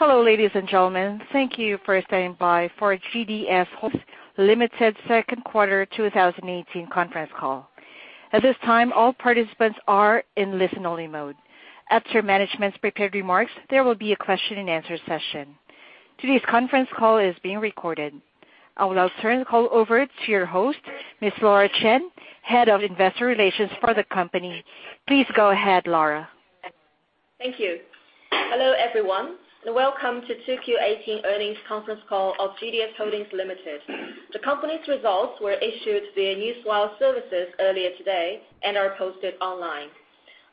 Hello, ladies and gentlemen. Thank you for standing by for GDS Holdings Limited second quarter 2018 conference call. At this time, all participants are in listen-only mode. After management's prepared remarks, there will be a question and answer session. Today's conference call is being recorded. I will now turn the call over to your host, Ms. Laura Chen, Head of Investor Relations for the company. Please go ahead, Laura. Thank you. Hello, everyone, welcome to 2Q18 earnings conference call of GDS Holdings Limited. The company's results were issued via Newswire Services earlier today and are posted online.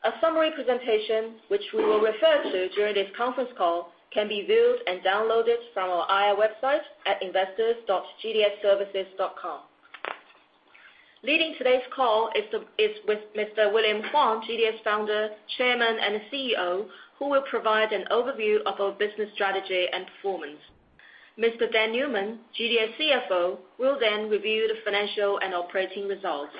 A summary presentation, which we will refer to during this conference call, can be viewed and downloaded from our IR website at investors.gdsservices.com. Leading today's call is with Mr. William Huang, GDS Founder, Chairman, and CEO, who will provide an overview of our business strategy and performance. Mr. Dan Newman, GDS CFO, will review the financial and operating results.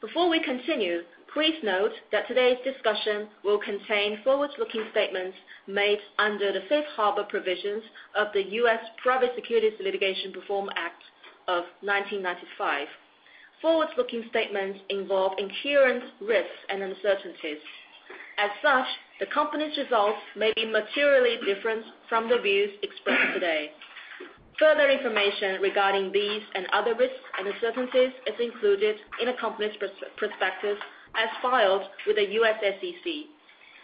Before we continue, please note that today's discussion will contain forward-looking statements made under the Safe Harbor provisions of the U.S. Private Securities Litigation Reform Act of 1995. Forward-looking statements involve inherent risks and uncertainties. As such, the company's results may be materially different from the views expressed today. Further information regarding these and other risks and uncertainties is included in the company's prospectus as filed with the U.S. SEC.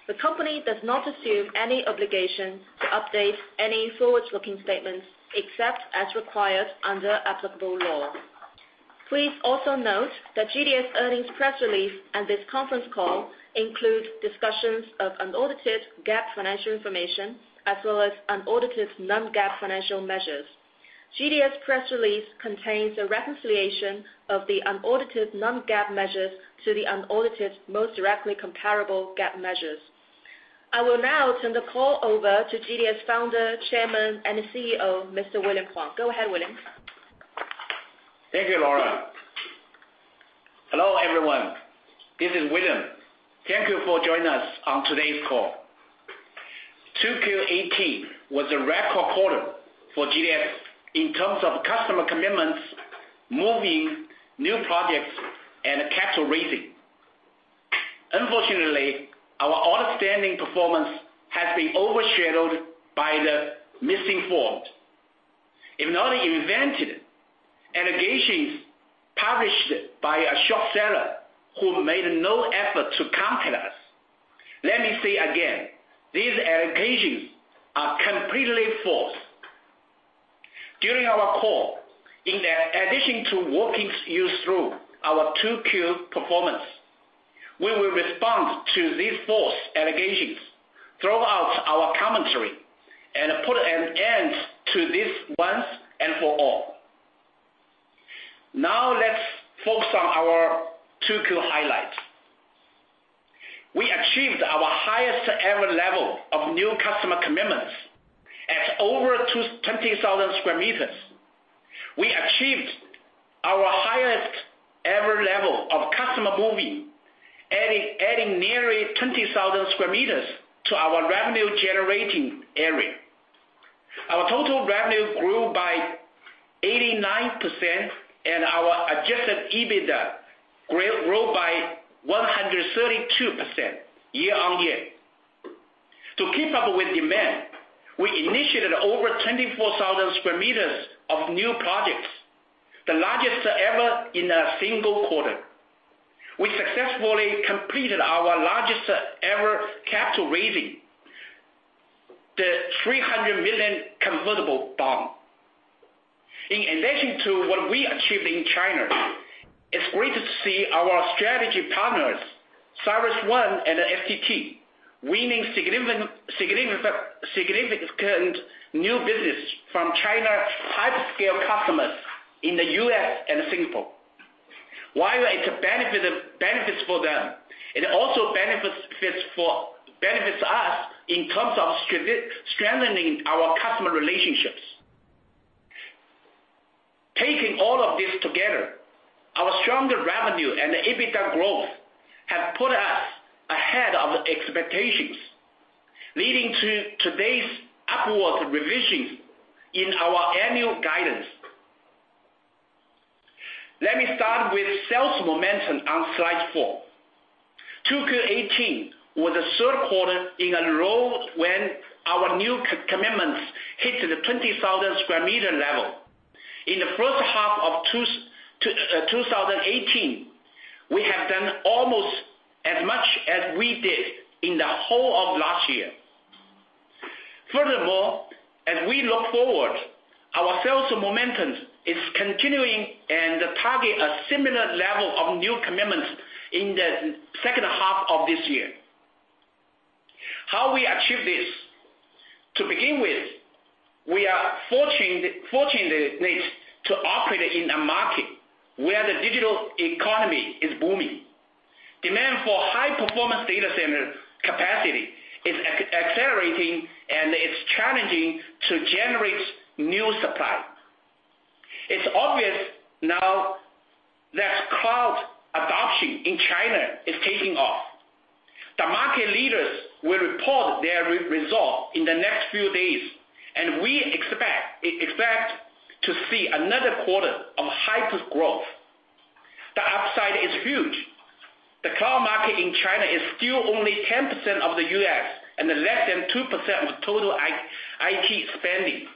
The company does not assume any obligation to update any forward-looking statements except as required under applicable law. Please also note that GDS earnings press release and this conference call include discussions of unaudited GAAP financial information as well as unaudited non-GAAP financial measures. GDS press release contains a reconciliation of the unaudited non-GAAP measures to the unaudited most directly comparable GAAP measures. I will now turn the call over to GDS Founder, Chairman, and CEO, Mr. William Huang. Go ahead, William. Thank you, Laura. Hello, everyone. This is William. Thank you for joining us on today's call. 2Q18 was a record quarter for GDS in terms of customer commitments, moving new projects, and capital raising. Unfortunately, our outstanding performance has been overshadowed by the misinformed. If not invented, allegations published by a short seller who made no effort to contact us. Let me say again, these allegations are completely false. During our call, in addition to walking you through our 2Q performance, we will respond to these false allegations throughout our commentary, and put an end to this once and for all. Now let's focus on our 2Q highlights. We achieved our highest-ever level of new customer commitments at over 20,000 sq m. We achieved our highest-ever level of customer moving, adding nearly 20,000 sq m to our revenue-generating area. Our total revenue grew by 89%, and our adjusted EBITDA grew by 132% year-over-year. To keep up with demand, we initiated over 24,000 sq m of new projects, the largest ever in a single quarter. We successfully completed our largest-ever capital raising, the $300 million convertible bond. In addition to what we achieved in China, it's great to see our strategy partners, CyrusOne and STT, winning significant new business from China hyperscale customers in the U.S. and Singapore. While it benefits for them, it also benefits us in terms of strengthening our customer relationships. Taking all of this together, our stronger revenue and EBITDA growth have put us ahead of expectations, leading to today's upward revisions in our annual guidance. Let me start with sales momentum on slide four. 2Q18 was the third quarter in a row when our new commitments hit the 20,000 sq m level. In the first half of 2018, we have done almost as much as we did in the whole of last year. Furthermore, as we look forward, our sales momentum is continuing and target a similar level of new commitments in the second half of this year. How we achieve this? To begin with, we are fortunate to operate in a market where the digital economy is booming. Demand for high-performance data center capacity is accelerating, and it's challenging to generate new supply. It's obvious now. In China is taking off. The market leaders will report their result in the next few days, and we expect to see another quarter of hyper-growth. The upside is huge. The cloud market in China is still only 10% of the U.S. and less than 2% of total IT spending.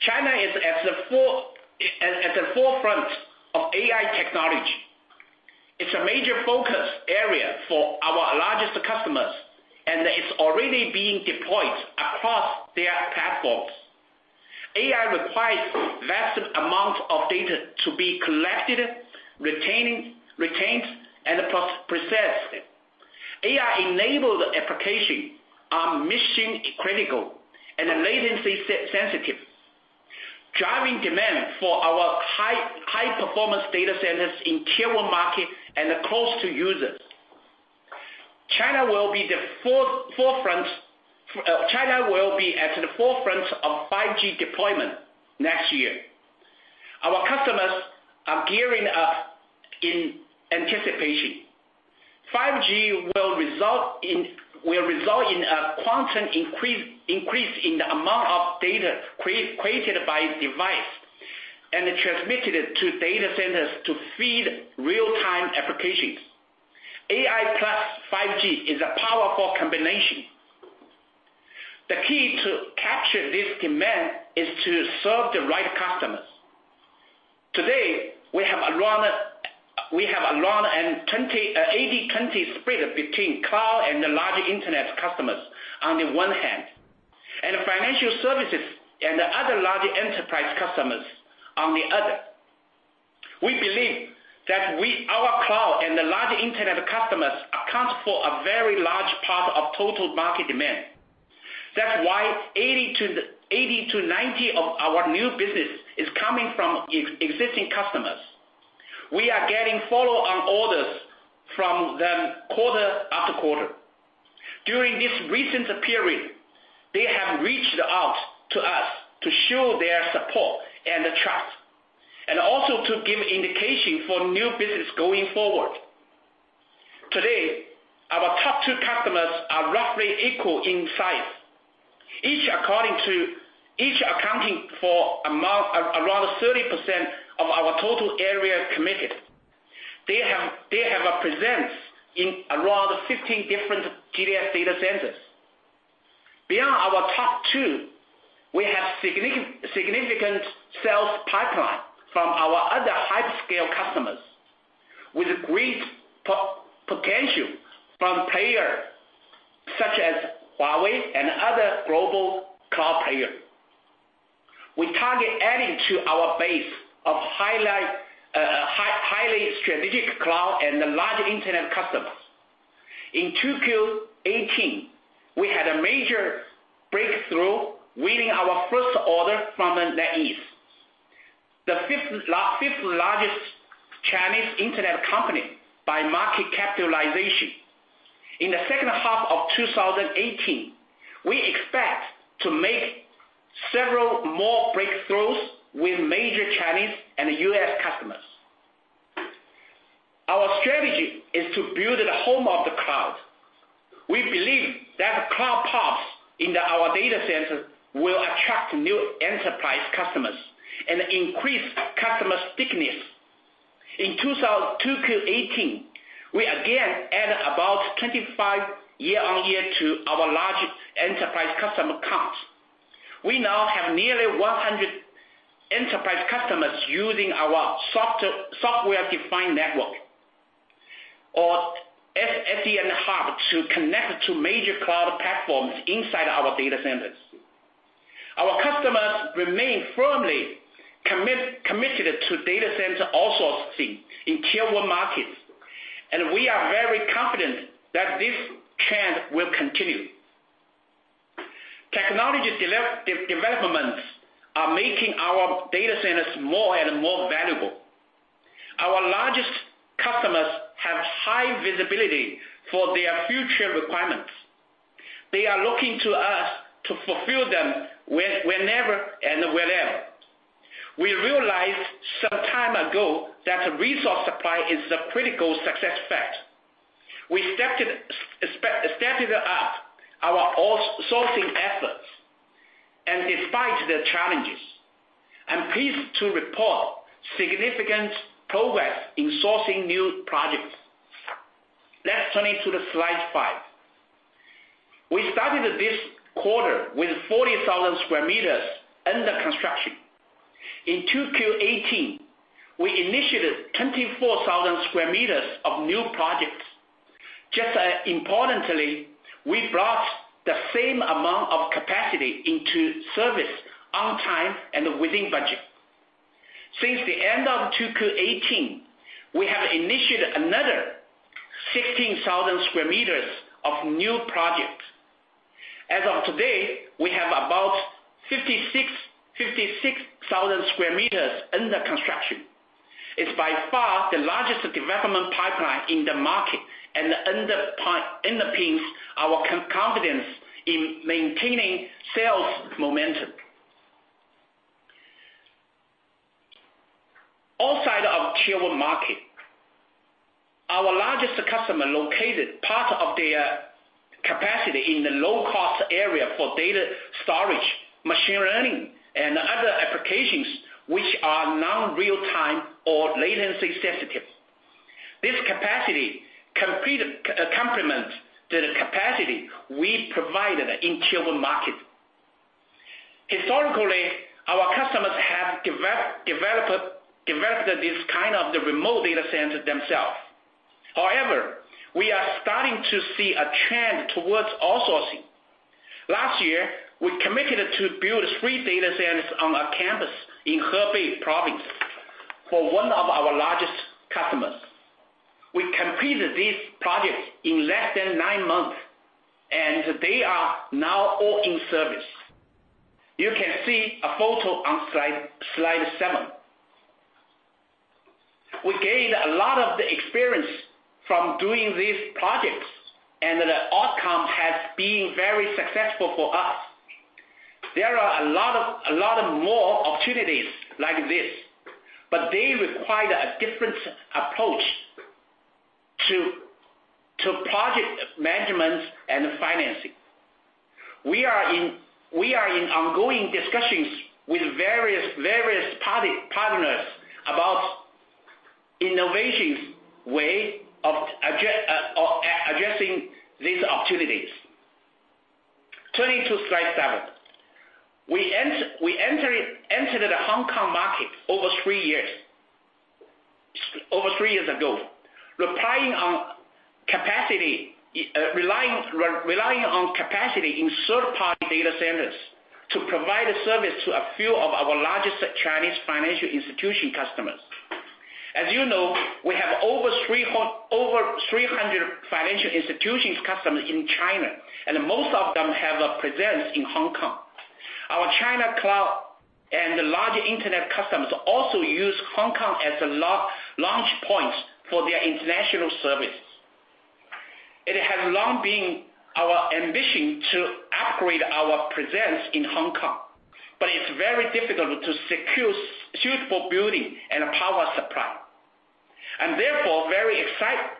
China is at the forefront of AI technology. It's a major focus area for our largest customers, and it's already being deployed across their platforms. AI requires vast amounts of data to be collected, retained, and processed. AI-enabled applications are mission-critical and latency-sensitive, driving demand for our high-performance data centers in tier 1 market and close to users. China will be at the forefront of 5G deployment next year. Our customers are gearing up in anticipation. 5G will result in a quantum increase in the amount of data created by devices and transmitted to data centers to feed real-time applications. AI plus 5G is a powerful combination. The key to capture this demand is to serve the right customers. Today, we have a lot, an 80/20 split between cloud and the large internet customers on the one hand, and financial services and other large enterprise customers on the other. We believe that our cloud and the large internet customers account for a very large part of total market demand. That's why 80%-90% of our new business is coming from existing customers. We are getting follow-on orders from them quarter after quarter. During this recent period, they have reached out to us to show their support and trust, and also to give indication for new business going forward. Today, our top two customers are roughly equal in size, each accounting for around 30% of our total area committed. They have a presence in around 15 different GDS data centers. Beyond our top two, we have significant sales pipeline from our other hyper-scale customers, with great potential from players such as Huawei and other global cloud players. We target adding to our base of highly strategic cloud and large internet customers. In 2Q18, we had a major breakthrough winning our first order from NetEase, the fifth-largest Chinese internet company by market capitalization. In the second half of 2018, we expect to make several more breakthroughs with major Chinese and U.S. customers. Our strategy is to build a home of the cloud. We believe that cloud pods in our data centers will attract new enterprise customers and increase customer stickiness. In 2Q18, we again added about 25 year-on-year to our large enterprise customer count. We now have nearly 100 enterprise customers using our software-defined network or SDN hub to connect to major cloud platforms inside our data centers. Our customers remain firmly committed to data center outsourcing in tier 1 markets, and we are very confident that this trend will continue. Technology developments are making our data centers more and more valuable. Our largest customers have high visibility for their future requirements. They are looking to us to fulfill them whenever and wherever. We realized some time ago that resource supply is a critical success factor. We stepped up our sourcing efforts, and despite the challenges, I'm pleased to report significant progress in sourcing new projects. Let's turn it to the slide seven. We started this quarter with 40,000 sq m under construction. In 2Q18, we initiated 24,000 sq m of new projects. Just as importantly, we brought the same amount of capacity into service on time and within budget. Since the end of 2Q18, we have initiated another 16,000 sq m of new projects. As of today, we have about 56,000 sq m under construction. It's by far the largest development pipeline in the market and underpins our confidence in maintaining sales momentum. Outside of tier 1 market, our largest customer located part of their capacity in the low-cost area for data storage, machine learning, and other applications which are not real-time or latency sensitive. This capacity complement to the capacity we provided in tier 1 market. Historically, our customers have developed this kind of the remote data center themselves. However, we are starting to see a trend towards outsourcing. Last year, we committed to build three data centers on a campus in Hebei Province for one of our largest customers. We completed this project in less than nine months, and they are now all in service. You can see a photo on slide seven. We gained a lot of the experience from doing these projects, and the outcome has been very successful for us. There are a lot of more opportunities like this, but they require a different approach to project management and financing. We are in ongoing discussions with various partners about innovations way of addressing these opportunities. Turning to slide seven. We entered the Hong Kong market over three years ago, relying on capacity in third-party data centers to provide a service to a few of our largest Chinese financial institution customers. As you know, we have over 300 financial institutions customers in China, and most of them have a presence in Hong Kong. Our China cloud and the large internet customers also use Hong Kong as a launch point for their international service. It has long been our ambition to upgrade our presence in Hong Kong, but it's very difficult to secure suitable building and power supply. I'm therefore very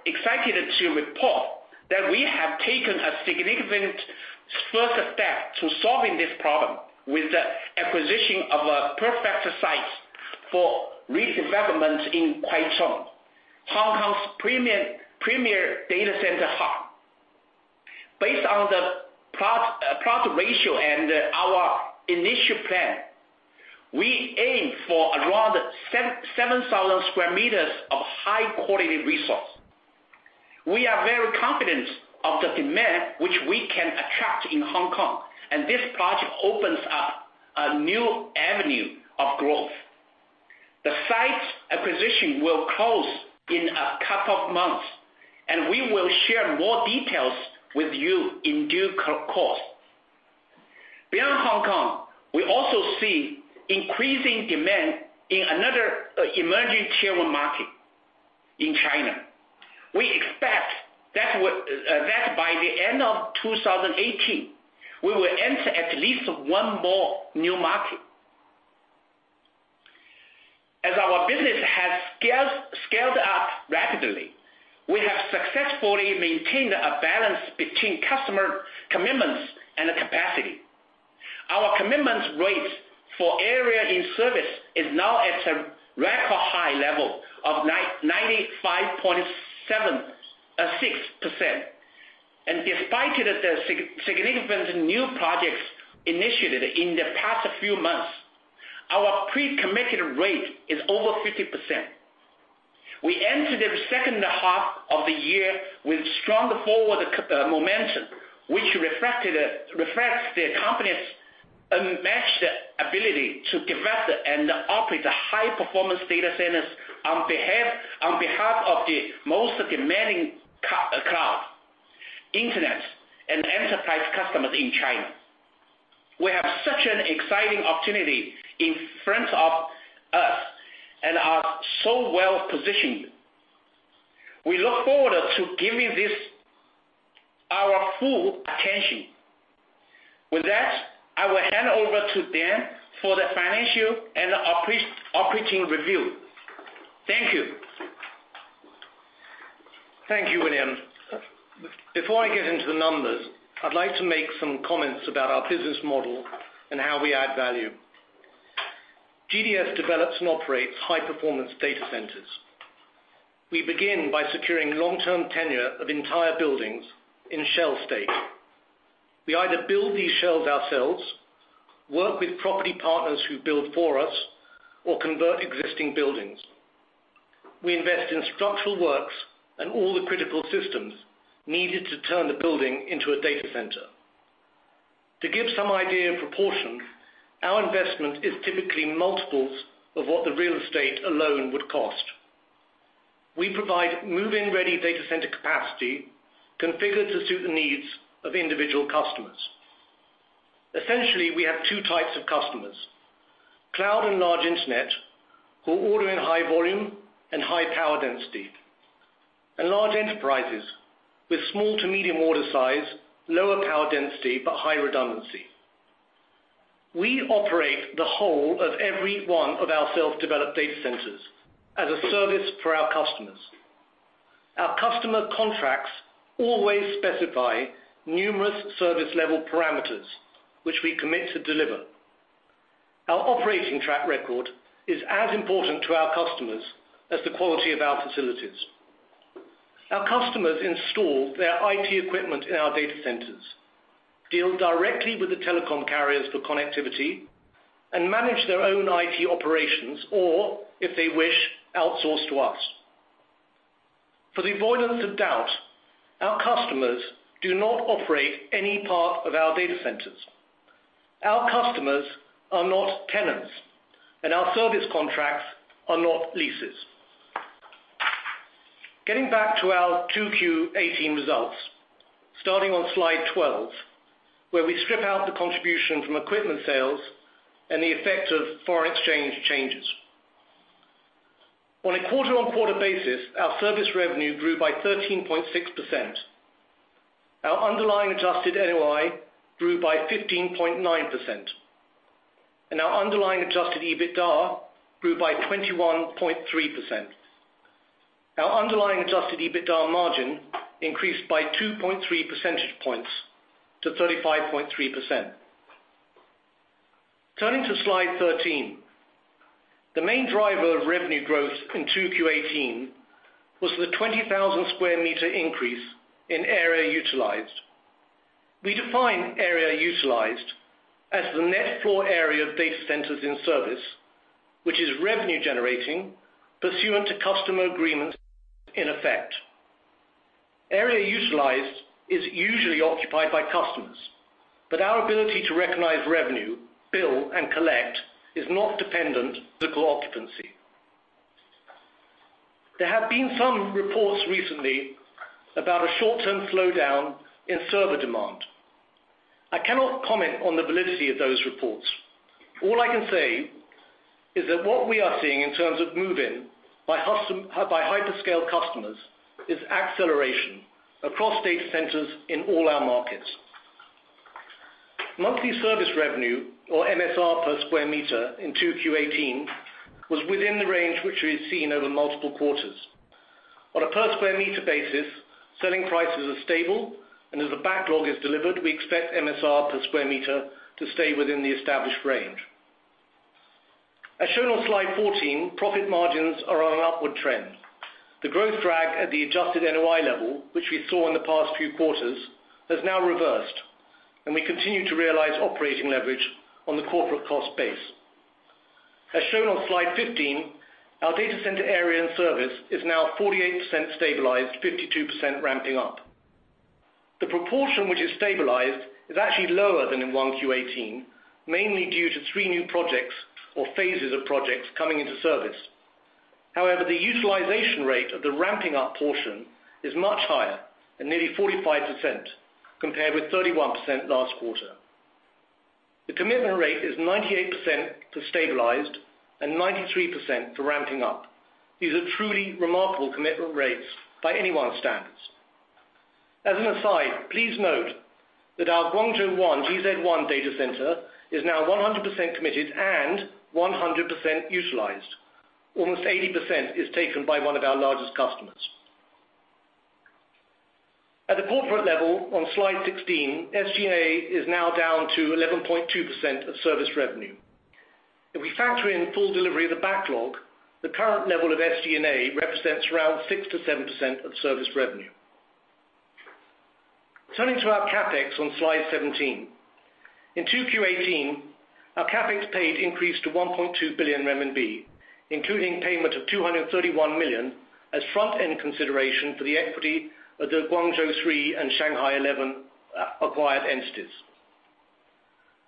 excited to report that we have taken a significant first step to solving this problem with the acquisition of a perfect site for redevelopment in Kwai Chung, Hong Kong's premier data center hub. Based on the plot ratio and our initial plan, we aim for around 7,000 sq m of high-quality resource. We are very confident of the demand which we can attract in Hong Kong, and this project opens up a new avenue of growth. The site acquisition will close in a couple of months, and we will share more details with you in due course. Beyond Hong Kong, we also see increasing demand in another emerging Tier 1 market in China. We expect that by the end of 2018, we will enter at least one more new market. As our business has scaled up rapidly, we have successfully maintained a balance between customer commitments and the capacity. Our commitment rate for area in service is now at a record high level of 95.6%. Despite the significant new projects initiated in the past few months, our pre-committed rate is over 50%. We enter the second half of the year with strong forward momentum, which reflects the company's unmatched ability to develop and operate high-performance data centers on behalf of the most demanding cloud, internet, and enterprise customers in China. We have such an exciting opportunity in front of us and are so well-positioned. We look forward to giving this our full attention. With that, I will hand over to Dan for the financial and operating review. Thank you. Thank you, William. Before I get into the numbers, I'd like to make some comments about our business model and how we add value. GDS develops and operates high-performance data centers. We begin by securing long-term tenure of entire buildings in shell state. We either build these shells ourselves, work with property partners who build for us, or convert existing buildings. We invest in structural works and all the critical systems needed to turn the building into a data center. To give some idea of proportions, our investment is typically multiples of what the real estate alone would cost. We provide move-in-ready data center capacity configured to suit the needs of individual customers. Essentially, we have 2 types of customers, cloud and large internet, who order in high volume and high power density. Large enterprises with small to medium order size, lower power density, but high redundancy. We operate the whole of every one of our self-developed data centers as a service for our customers. Our customer contracts always specify numerous service level parameters, which we commit to deliver. Our operating track record is as important to our customers as the quality of our facilities. Our customers install their IT equipment in our data centers, deal directly with the telecom carriers for connectivity, and manage their own IT operations, or if they wish, outsource to us. For the avoidance of doubt, our customers do not operate any part of our data centers. Our customers are not tenants, and our service contracts are not leases. Getting back to our 2Q18 results, starting on slide 12, where we strip out the contribution from equipment sales and the effect of foreign exchange changes. On a quarter-on-quarter basis, our service revenue grew by 13.6%. Our underlying adjusted NOI grew by 15.9%, and our underlying adjusted EBITDA grew by 21.3%. Our underlying adjusted EBITDA margin increased by 2.3 percentage points to 35.3%. Turning to slide 13. The main driver of revenue growth in 2Q18 was the 20,000 sq m increase in area utilized. We define area utilized as the net floor area of data centers in service, which is revenue generating pursuant to customer agreements in effect. Area utilized is usually occupied by customers, but our ability to recognize revenue, bill, and collect is not dependent on physical occupancy. There have been some reports recently about a short-term slowdown in server demand. I cannot comment on the validity of those reports. All I can say is that what we are seeing in terms of move-in by hyperscale customers is acceleration across data centers in all our markets. Monthly service revenue, or MSR per sq m in 2Q18, was within the range which we had seen over multiple quarters. On a per sq m basis, selling prices are stable, and as the backlog is delivered, we expect MSR per sq m to stay within the established range. As shown on slide 14, profit margins are on an upward trend. The growth drag at the adjusted NOI level, which we saw in the past few quarters, has now reversed, and we continue to realize operating leverage on the corporate cost base. As shown on slide 15, our data center area and service is now 48% stabilized, 52% ramping up. The proportion which is stabilized is actually lower than in 1Q18, mainly due to three new projects or phases of projects coming into service. However, the utilization rate of the ramping up portion is much higher at nearly 45%, compared with 31% last quarter. The commitment rate is 98% for stabilized and 93% for ramping up. These are truly remarkable commitment rates by anyone's standards. As an aside, please note that our Guangzhou One, GZ1 data center is now 100% committed and 100% utilized. Almost 80% is taken by one of our largest customers. At the corporate level on slide 16, SG&A is now down to 11.2% of service revenue. If we factor in full delivery of the backlog, the current level of SG&A represents around 6%-7% of service revenue. Turning to our CapEx on slide 17. In 2Q18, our CapEx paid increased to 1.2 billion RMB, including payment of 231 million as front-end consideration for the equity of the Guangzhou Three and Shanghai 11 acquired entities.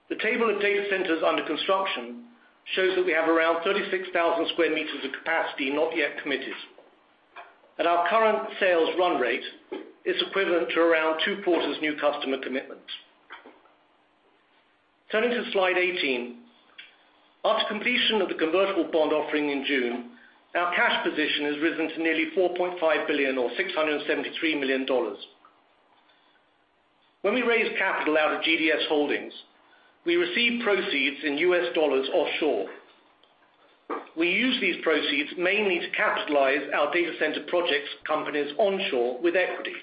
The table of data centers under construction shows that we have around 36,000 sq m of capacity not yet committed. At our current sales run rate, it's equivalent to around two quarters new customer commitment. Turning to slide 18. After completion of the convertible bond offering in June, our cash position has risen to nearly 4.5 billion or $673 million. When we raise capital out of GDS Holdings, we receive proceeds in US dollars offshore. We use these proceeds mainly to capitalize our data center projects companies onshore with equity.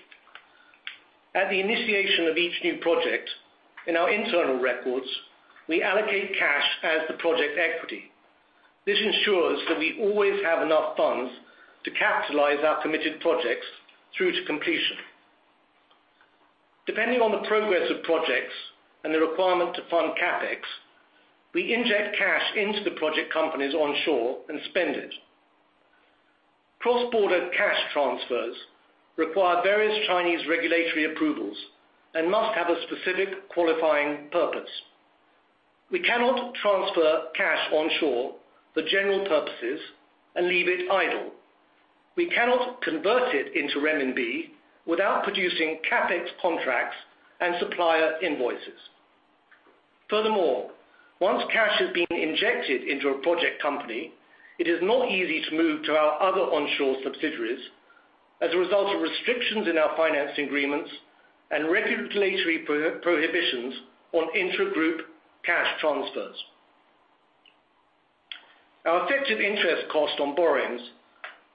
At the initiation of each new project, in our internal records, we allocate cash as the project equity. This ensures that we always have enough funds to capitalize our committed projects through to completion. Depending on the progress of projects and the requirement to fund CapEx, we inject cash into the project companies onshore and spend it. Cross-border cash transfers require various Chinese regulatory approvals and must have a specific qualifying purpose. We cannot transfer cash onshore for general purposes and leave it idle. We cannot convert it into CNY without producing CapEx contracts and supplier invoices. Furthermore, once cash has been injected into a project company, it is not easy to move to our other onshore subsidiaries as a result of restrictions in our financing agreements and regulatory prohibitions on intragroup cash transfers. Our effective interest cost on borrowings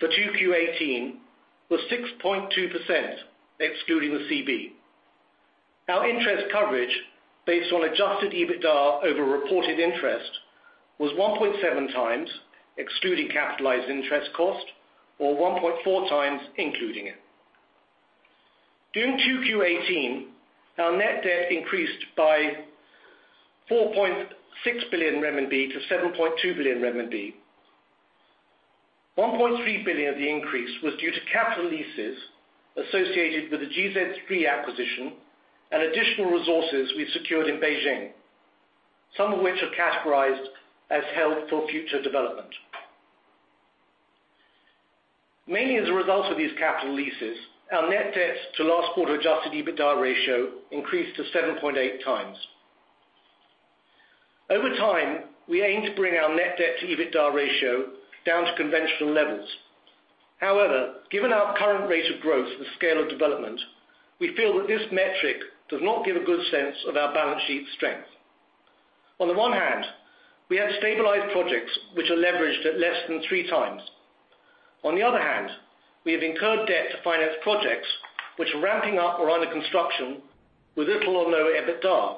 for 2Q18 was 6.2%, excluding the CB. Our interest coverage based on adjusted EBITDA over reported interest was 1.7 times excluding capitalized interest cost or 1.4 times including it. During 2Q18, our net debt increased by 4.6 billion RMB to 7.2 billion RMB. 1.3 billion of the increase was due to capital leases associated with the GZ3 acquisition and additional resources we've secured in Beijing, some of which are categorized as held for future development. Mainly as a result of these capital leases, our net debt to last quarter adjusted EBITDA ratio increased to 7.8 times. Over time, we aim to bring our net debt to EBITDA ratio down to conventional levels. However, given our current rate of growth and scale of development, we feel that this metric does not give a good sense of our balance sheet strength. On the one hand, we have stabilized projects which are leveraged at less than three times. On the other hand, we have incurred debt to finance projects which are ramping up or under construction with little or no EBITDA.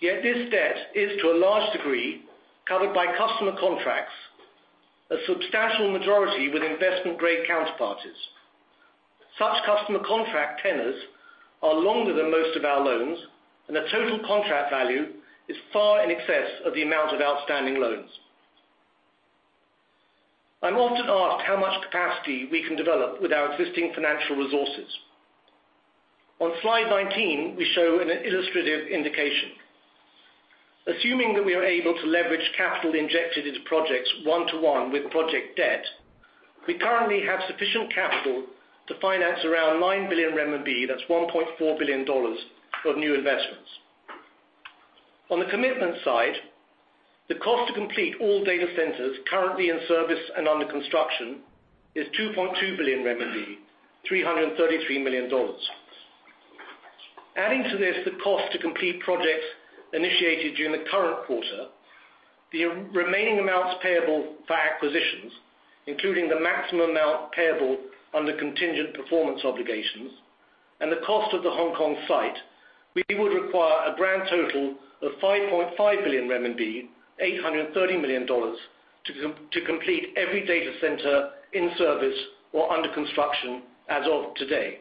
Yet this debt is, to a large degree, covered by customer contracts, a substantial majority with investment-grade counterparties. Such customer contract tenors are longer than most of our loans, and the total contract value is far in excess of the amount of outstanding loans. I'm often asked how much capacity we can develop with our existing financial resources. On slide 19, we show an illustrative indication. Assuming that we are able to leverage capital injected into projects one-to-one with project debt, we currently have sufficient capital to finance around 9 billion renminbi, that's $1.4 billion for new investments. On the commitment side, the cost to complete all data centers currently in service and under construction is 2.2 billion renminbi, $333 million. Adding to this the cost to complete projects initiated during the current quarter, the remaining amounts payable via acquisitions, including the maximum amount payable under contingent performance obligations and the cost of the Hong Kong site, we would require a grand total of 5.5 billion renminbi, $830 million to complete every data center in service or under construction as of today.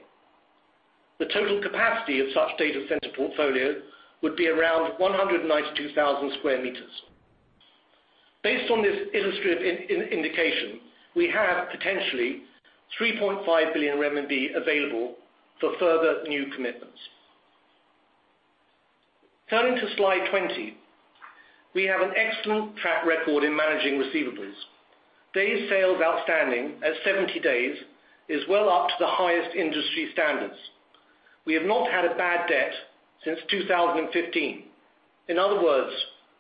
The total capacity of such data center portfolio would be around 192,000 sq m. Based on this illustrative indication, we have potentially 3.5 billion RMB available for further new commitments. Turning to slide 20. We have an excellent track record in managing receivables. Days sales outstanding at 70 days is well up to the highest industry standards. We have not had a bad debt since 2015. In other words,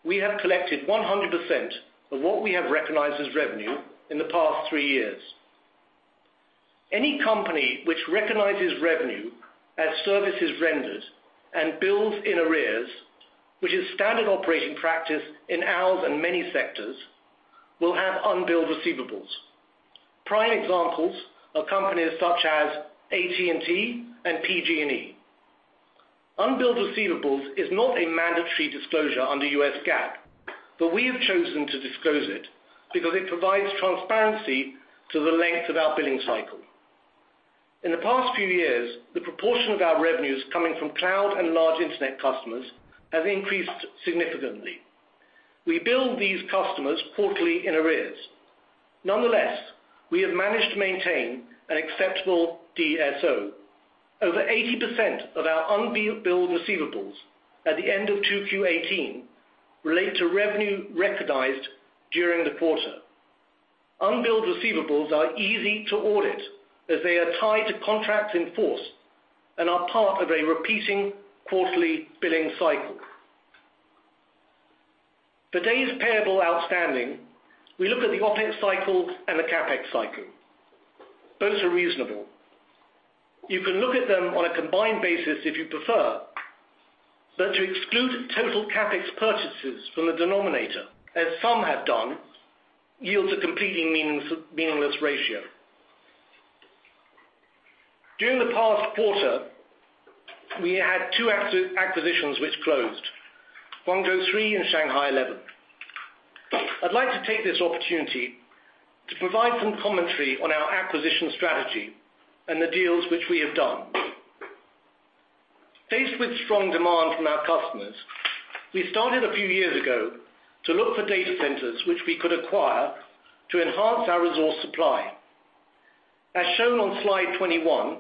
we have collected 100% of what we have recognized as revenue in the past three years. Any company which recognizes revenue as services rendered and bills in arrears, which is standard operating practice in ours and many sectors, will have unbilled receivables. Prime examples are companies such as AT&T and PG&E. Unbilled receivables is not a mandatory disclosure under US GAAP, but we have chosen to disclose it because it provides transparency to the length of our billing cycle. In the past few years, the proportion of our revenues coming from cloud and large internet customers has increased significantly. We bill these customers quarterly in arrears. Nonetheless, we have managed to maintain an acceptable DSO. Over 80% of our unbilled receivables at the end of 2Q18 relate to revenue recognized during the quarter. Unbilled receivables are easy to audit as they are tied to contracts in force and are part of a repeating quarterly billing cycle. For days payable outstanding, we look at the OpEx cycle and the CapEx cycle. Both are reasonable. You can look at them on a combined basis if you prefer, but to exclude total CapEx purchases from the denominator, as some have done, yields a completely meaningless ratio. During the past quarter, we had two acquisitions which closed, Guangzhou 3 and Shanghai 11. I'd like to take this opportunity to provide some commentary on our acquisition strategy and the deals which we have done. Faced with strong demand from our customers, we started a few years ago to look for data centers which we could acquire to enhance our resource supply. As shown on slide 21,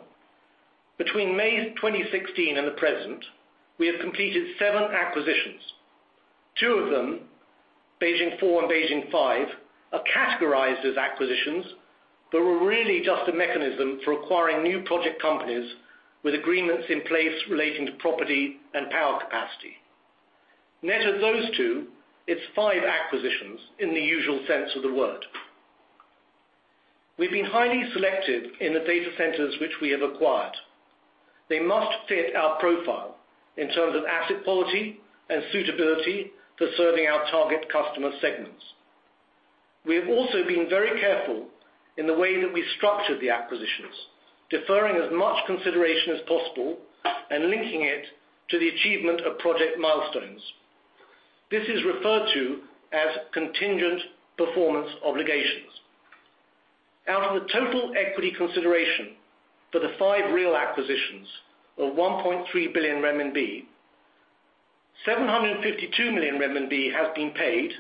between May 2016 and the present, we have completed seven acquisitions, two of them Beijing Four and Beijing Five are categorized as acquisitions, but were really just a mechanism for acquiring new project companies with agreements in place relating to property and power capacity. Net of those two, it's five acquisitions in the usual sense of the word. We've been highly selective in the data centers which we have acquired. They must fit our profile in terms of asset quality and suitability for serving our target customer segments. We have also been very careful in the way that we structured the acquisitions, deferring as much consideration as possible and linking it to the achievement of project milestones. This is referred to as contingent performance obligations. Out of the total equity consideration for the five real acquisitions of 1.3 billion RMB, 752 million RMB has been paid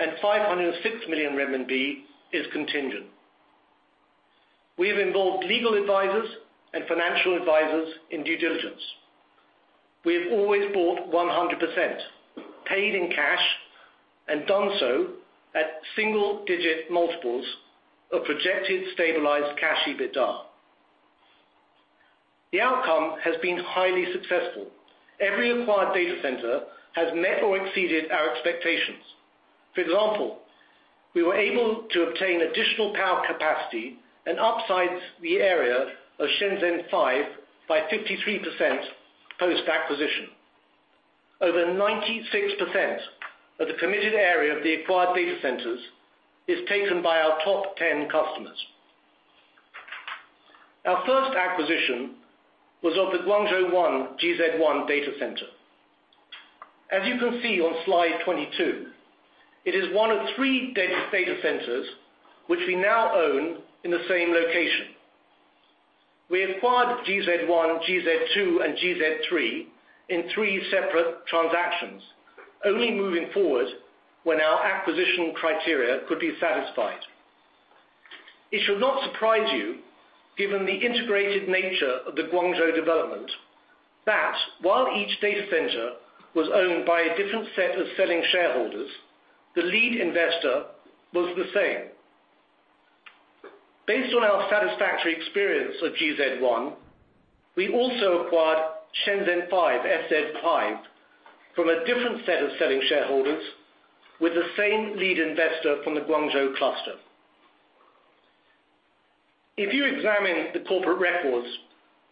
and 506 million RMB is contingent. We have involved legal advisors and financial advisors in due diligence. We have always bought 100%, paid in cash, and done so at single-digit multiples of projected stabilized cash EBITDA. The outcome has been highly successful. Every acquired data center has met or exceeded our expectations. For example, we were able to obtain additional power capacity and upside the area of Shenzhen Five by 53% post-acquisition. Over 96% of the committed area of the acquired data centers is taken by our top 10 customers. Our first acquisition was of the Guangzhou One, GZ One data center. As you can see on slide 22, it is one of three data centers which we now own in the same location. We acquired GZ One, GZ Two, and GZ Three in three separate transactions, only moving forward when our acquisition criteria could be satisfied. It should not surprise you, given the integrated nature of the Guangzhou development, that while each data center was owned by a different set of selling shareholders, the lead investor was the same. Based on our satisfactory experience of GZ One, we also acquired Shenzhen Five, SZ Five from a different set of selling shareholders with the same lead investor from the Guangzhou cluster. If you examine the corporate records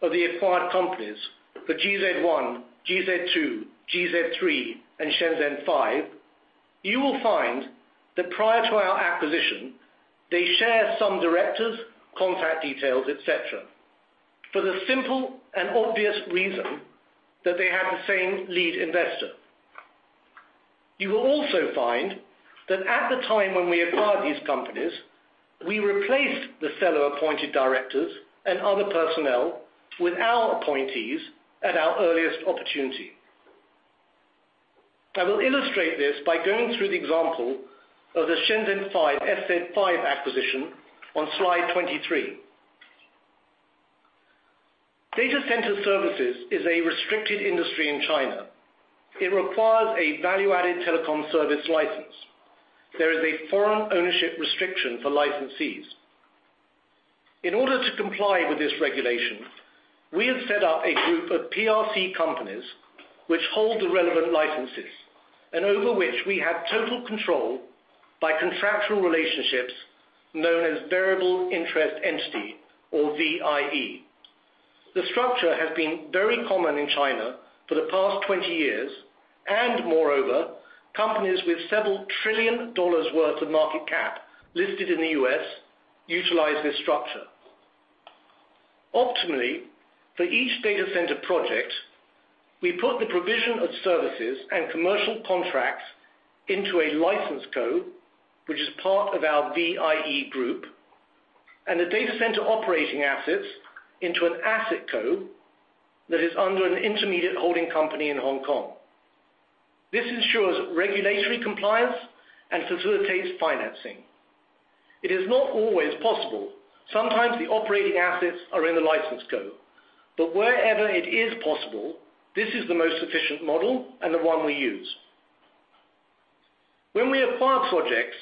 of the acquired companies for GZ One, GZ Two, GZ Three, and Shenzhen Five, you will find that prior to our acquisition, they share some directors, contact details, et cetera, for the simple and obvious reason that they have the same lead investor. You will also find that at the time when we acquired these companies, we replaced the seller-appointed directors and other personnel with our appointees at our earliest opportunity. I will illustrate this by going through the example of the Shenzhen Five, SZ Five acquisition on slide 23. Data center services is a restricted industry in China. It requires a value-added telecom service license. There is a foreign ownership restriction for licensees. In order to comply with this regulation, we have set up a group of PRC companies which hold the relevant licenses, and over which we have total control by contractual relationships known as variable interest entity, or VIE. The structure has been very common in China for the past 20 years, moreover, companies with several trillion dollars worth of market cap listed in the U.S. utilize this structure. Optimally, for each data center project, we put the provision of services and commercial contracts into a license co, which is part of our VIE group, and the data center operating assets into an asset co that is under an intermediate holding company in Hong Kong. This ensures regulatory compliance and facilitates financing. It is not always possible. Sometimes the operating assets are in the license co. Wherever it is possible, this is the most efficient model and the one we use. When we acquire projects,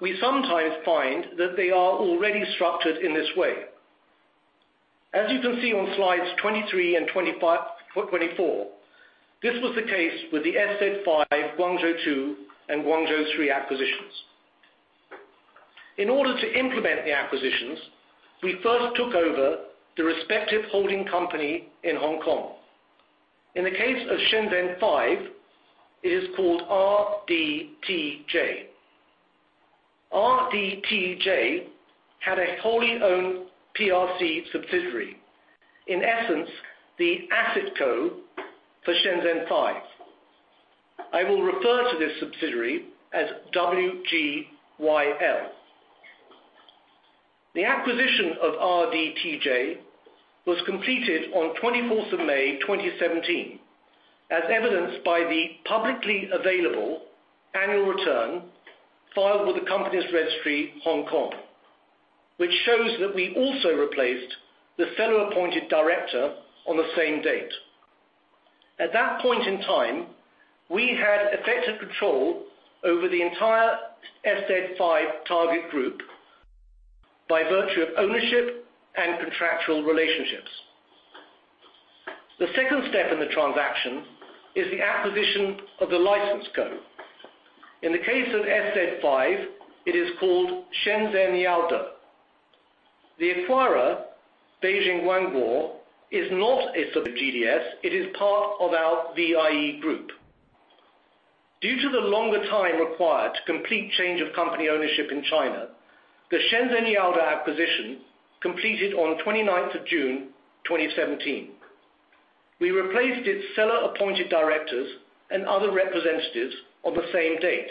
we sometimes find that they are already structured in this way. As you can see on slides 23 and 24, this was the case with the SZ Five, Guangzhou Two, and Guangzhou Three acquisitions. In order to implement the acquisitions, we first took over the respective holding company in Hong Kong. In the case of Shenzhen Five, it is called RDTJ. RDTJ had a wholly owned PRC subsidiary. In essence, the asset co for Shenzhen Five. I will refer to this subsidiary as WGYL. The acquisition of RDTJ was completed on 24th of May 2017, as evidenced by the publicly available annual return filed with the Companies Registry Hong Kong. Which shows that we also replaced the seller-appointed director on the same date. At that point in time, we had effective control over the entire SZ5 target group by virtue of ownership and contractual relationships. The second step in the transaction is the acquisition of the license co. In the case of SZ5, it is called Shenzhen Yaoda. The acquirer, Beijing Guangguo, is not a subsidiary of GDS. It is part of our VIE group. Due to the longer time required to complete change of company ownership in China, the Shenzhen Yaoda acquisition completed on 29th of June 2017. We replaced its seller-appointed directors and other representatives on the same date.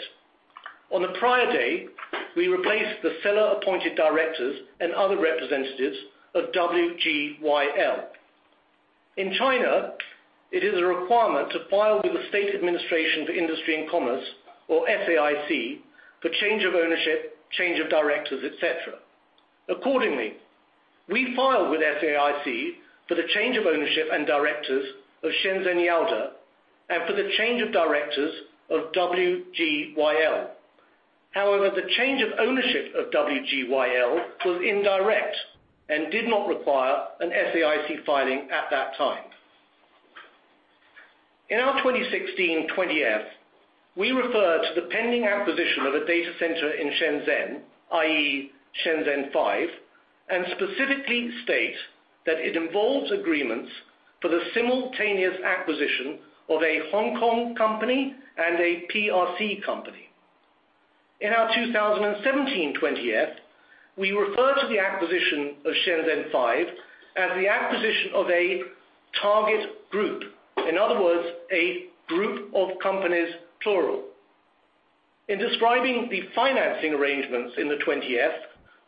On the prior day, we replaced the seller-appointed directors and other representatives of WGYL. In China, it is a requirement to file with the State Administration for Industry and Commerce, or SAIC, for change of ownership, change of directors, et cetera. Accordingly, we filed with SAIC for the change of ownership and directors of Shenzhen Yaoda and for the change of directors of WGYL. However, the change of ownership of WGYL was indirect and did not require an SAIC filing at that time. In our 2016 20-F, we refer to the pending acquisition of a data center in Shenzhen, i.e. Shenzhen Five, and specifically state that it involves agreements for the simultaneous acquisition of a Hong Kong company and a PRC company. In our 2017 20-F, we refer to the acquisition of Shenzhen Five as the acquisition of a target group, in other words, a group of companies plural. In describing the financing arrangements in the 20-F,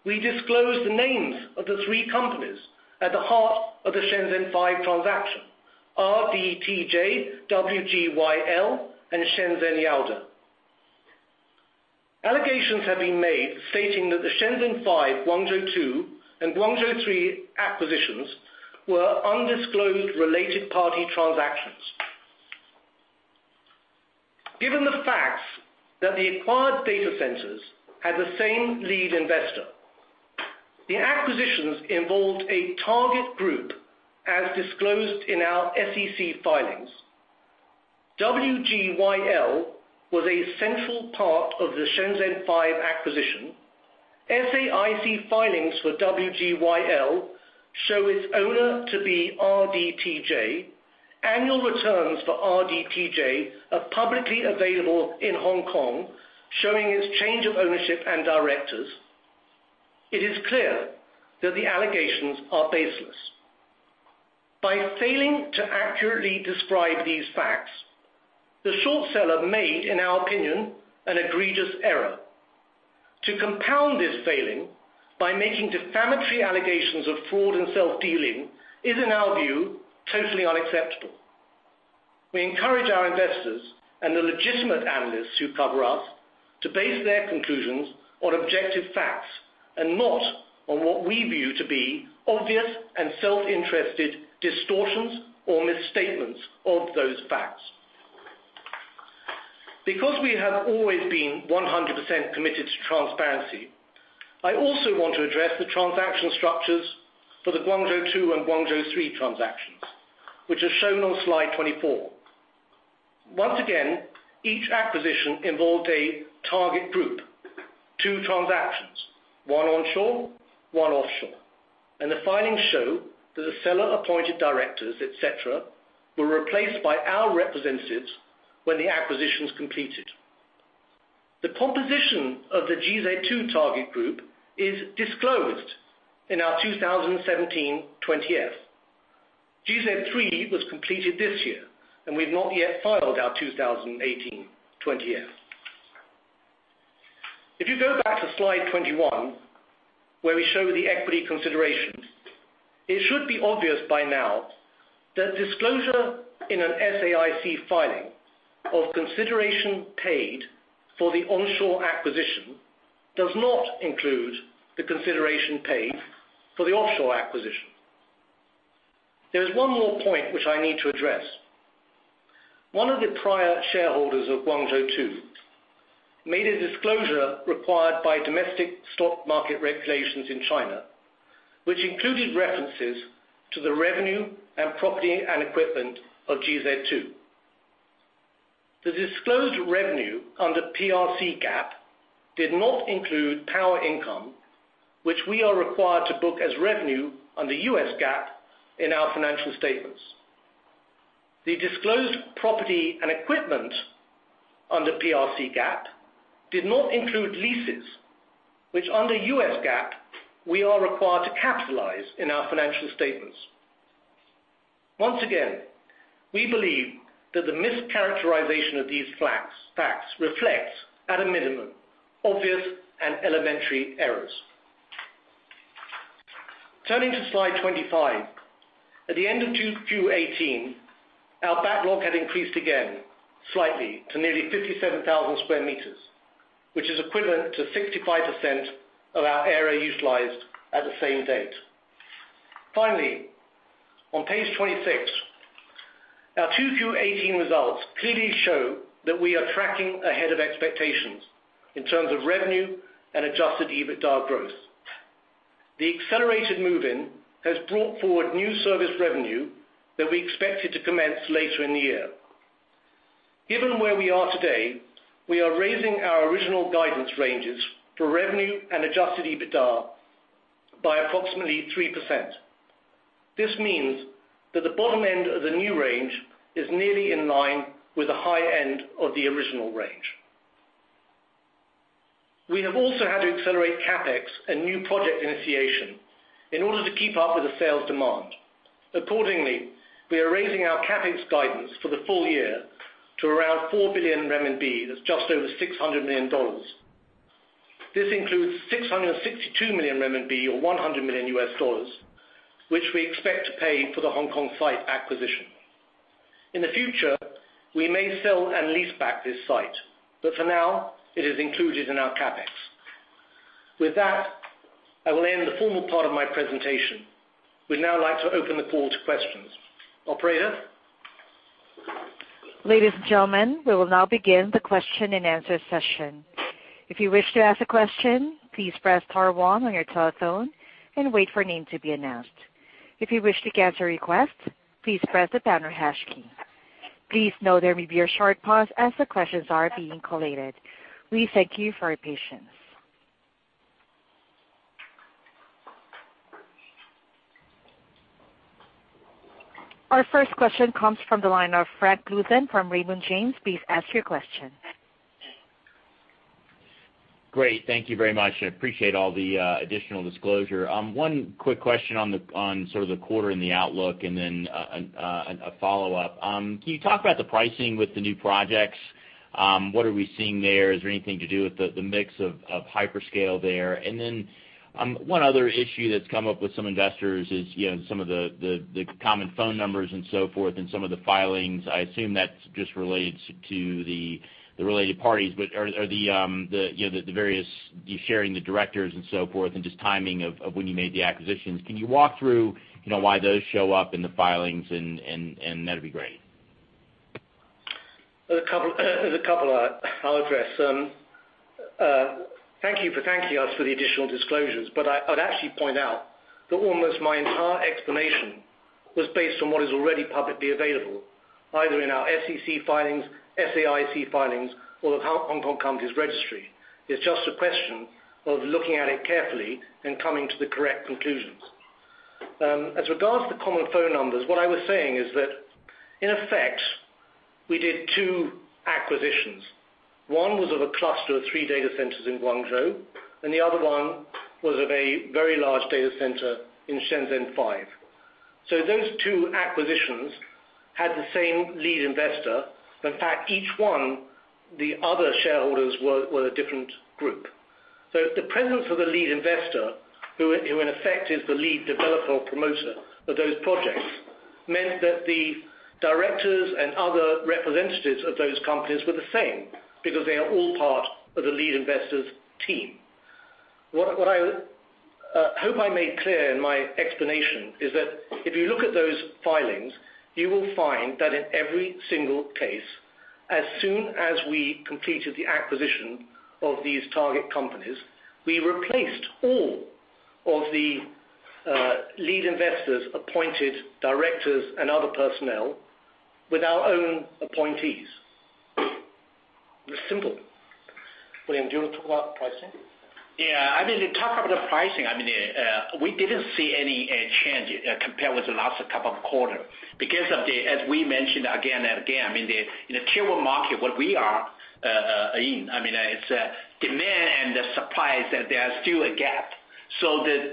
we disclose the names of the 3 companies at the heart of the Shenzhen Five transaction, RDTJ, WGYL, and Shenzhen Yaoda. Allegations have been made stating that the Shenzhen Five, Guangzhou Two, and Guangzhou Three acquisitions were undisclosed related party transactions. Given the facts that the acquired data centers had the same lead investor, the acquisitions involved a target group as disclosed in our SEC filings. WGYL was a central part of the Shenzhen Five acquisition. SAIC filings for WGYL show its owner to be RDTJ. Annual returns for RDTJ are publicly available in Hong Kong, showing its change of ownership and directors. It is clear that the allegations are baseless. By failing to accurately describe these facts, the short seller made, in our opinion, an egregious error. To compound this failing by making defamatory allegations of fraud and self-dealing is, in our view, totally unacceptable. We encourage our investors and the legitimate analysts who cover us to base their conclusions on objective facts and not on what we view to be obvious and self-interested distortions or misstatements of those facts. Because we have always been 100% committed to transparency, I also want to address the transaction structures for the Guangzhou Two and Guangzhou Three transactions, which are shown on slide 24. Once again, each acquisition involved a target group, 2 transactions, 1 onshore, 1 offshore, and the filings show that the seller-appointed directors, et cetera, were replaced by our representatives when the acquisitions completed. The composition of the GZ Two target group is disclosed in our 2017 20-F. GZ Three was completed this year, and we've not yet filed our 2018 20-F. If you go back to slide 21, where we show the equity considerations, it should be obvious by now that disclosure in an SAIC filing of consideration paid for the onshore acquisition does not include the consideration paid for the offshore acquisition. There is 1 more point which I need to address. 1 of the prior shareholders of Guangzhou Two made a disclosure required by domestic stock market regulations in China, which included references to the revenue and property and equipment of GZ Two. The disclosed revenue under PRC GAAP did not include power income which we are required to book as revenue under US GAAP in our financial statements. The disclosed property and equipment under PRC GAAP did not include leases which under US GAAP we are required to capitalize in our financial statements. Once again, we believe that the mischaracterization of these facts reflects at a minimum obvious and elementary errors. Turning to slide 25. At the end of Q2 '18, our backlog had increased again slightly to nearly 57,000 sq m, which is equivalent to 65% of our area utilized at the same date. Finally, on page 26, our Q2 '18 results clearly show that we are tracking ahead of expectations in terms of revenue and adjusted EBITDA growth. The accelerated move-in has brought forward new service revenue that we expected to commence later in the year. Given where we are today, we are raising our original guidance ranges for revenue and adjusted EBITDA by approximately 3%. This means that the bottom end of the new range is nearly in line with the high end of the original range. We have also had to accelerate CapEx and new project initiation in order to keep up with the sales demand. Accordingly, we are raising our CapEx guidance for the full year to around 4 billion RMB, that's just over $600 million. This includes 662 million RMB or $100 million, which we expect to pay for the Hong Kong site acquisition. In the future, we may sell and lease back this site, but for now, it is included in our CapEx. With that, I will end the formal part of my presentation. We'd now like to open the floor to questions. Operator? Ladies and gentlemen, we will now begin the question and answer session. If you wish to ask a question, please press star one on your telephone and wait for your name to be announced. If you wish to cancel your request, please press the pound or hash key. Please note there may be a short pause as the questions are being collated. We thank you for your patience. Our first question comes from the line of Frank Louthan from Raymond James. Please ask your question. Great. Thank you very much. I appreciate all the additional disclosure. One quick question on sort of the quarter and the outlook, then a follow-up. Can you talk about the pricing with the new projects? What are we seeing there? Is there anything to do with the mix of hyperscale there? One other issue that's come up with some investors is some of the common phone numbers and so forth in some of the filings. I assume that just relates to the related parties, but are the various, you sharing the directors and so forth and just timing of when you made the acquisitions. Can you walk through why those show up in the filings and that'd be great. There's a couple I'll address. Thank you for thanking us for the additional disclosures, but I'd actually point out that almost my entire explanation was based on what is already publicly available, either in our SEC filings, SAIC filings, or the Hong Kong Companies Registry. It's just a question of looking at it carefully and coming to the correct conclusions. As regards to the common phone numbers, what I was saying is that in effect, we did two acquisitions. One was of a cluster of three data centers in Guangzhou, and the other one was of a very large data center in Shenzhen Five. Those two acquisitions had the same lead investor. In fact, each one, the other shareholders were a different group. The presence of the lead investor, who in effect is the lead developer or promoter of those projects, meant that the directors and other representatives of those companies were the same because they are all part of the lead investor's team. What I hope I made clear in my explanation is that if you look at those filings, you will find that in every single case, as soon as we completed the acquisition of these target companies, we replaced all of the lead investors' appointed directors and other personnel with our own appointees. It's simple. William, do you want to talk about pricing? Yeah. To talk about the pricing, we didn't see any change compared with the last couple of quarters because as we mentioned again and again, in the Tier 1 market, what we are in, it's demand and the supply is that there are still a gap. The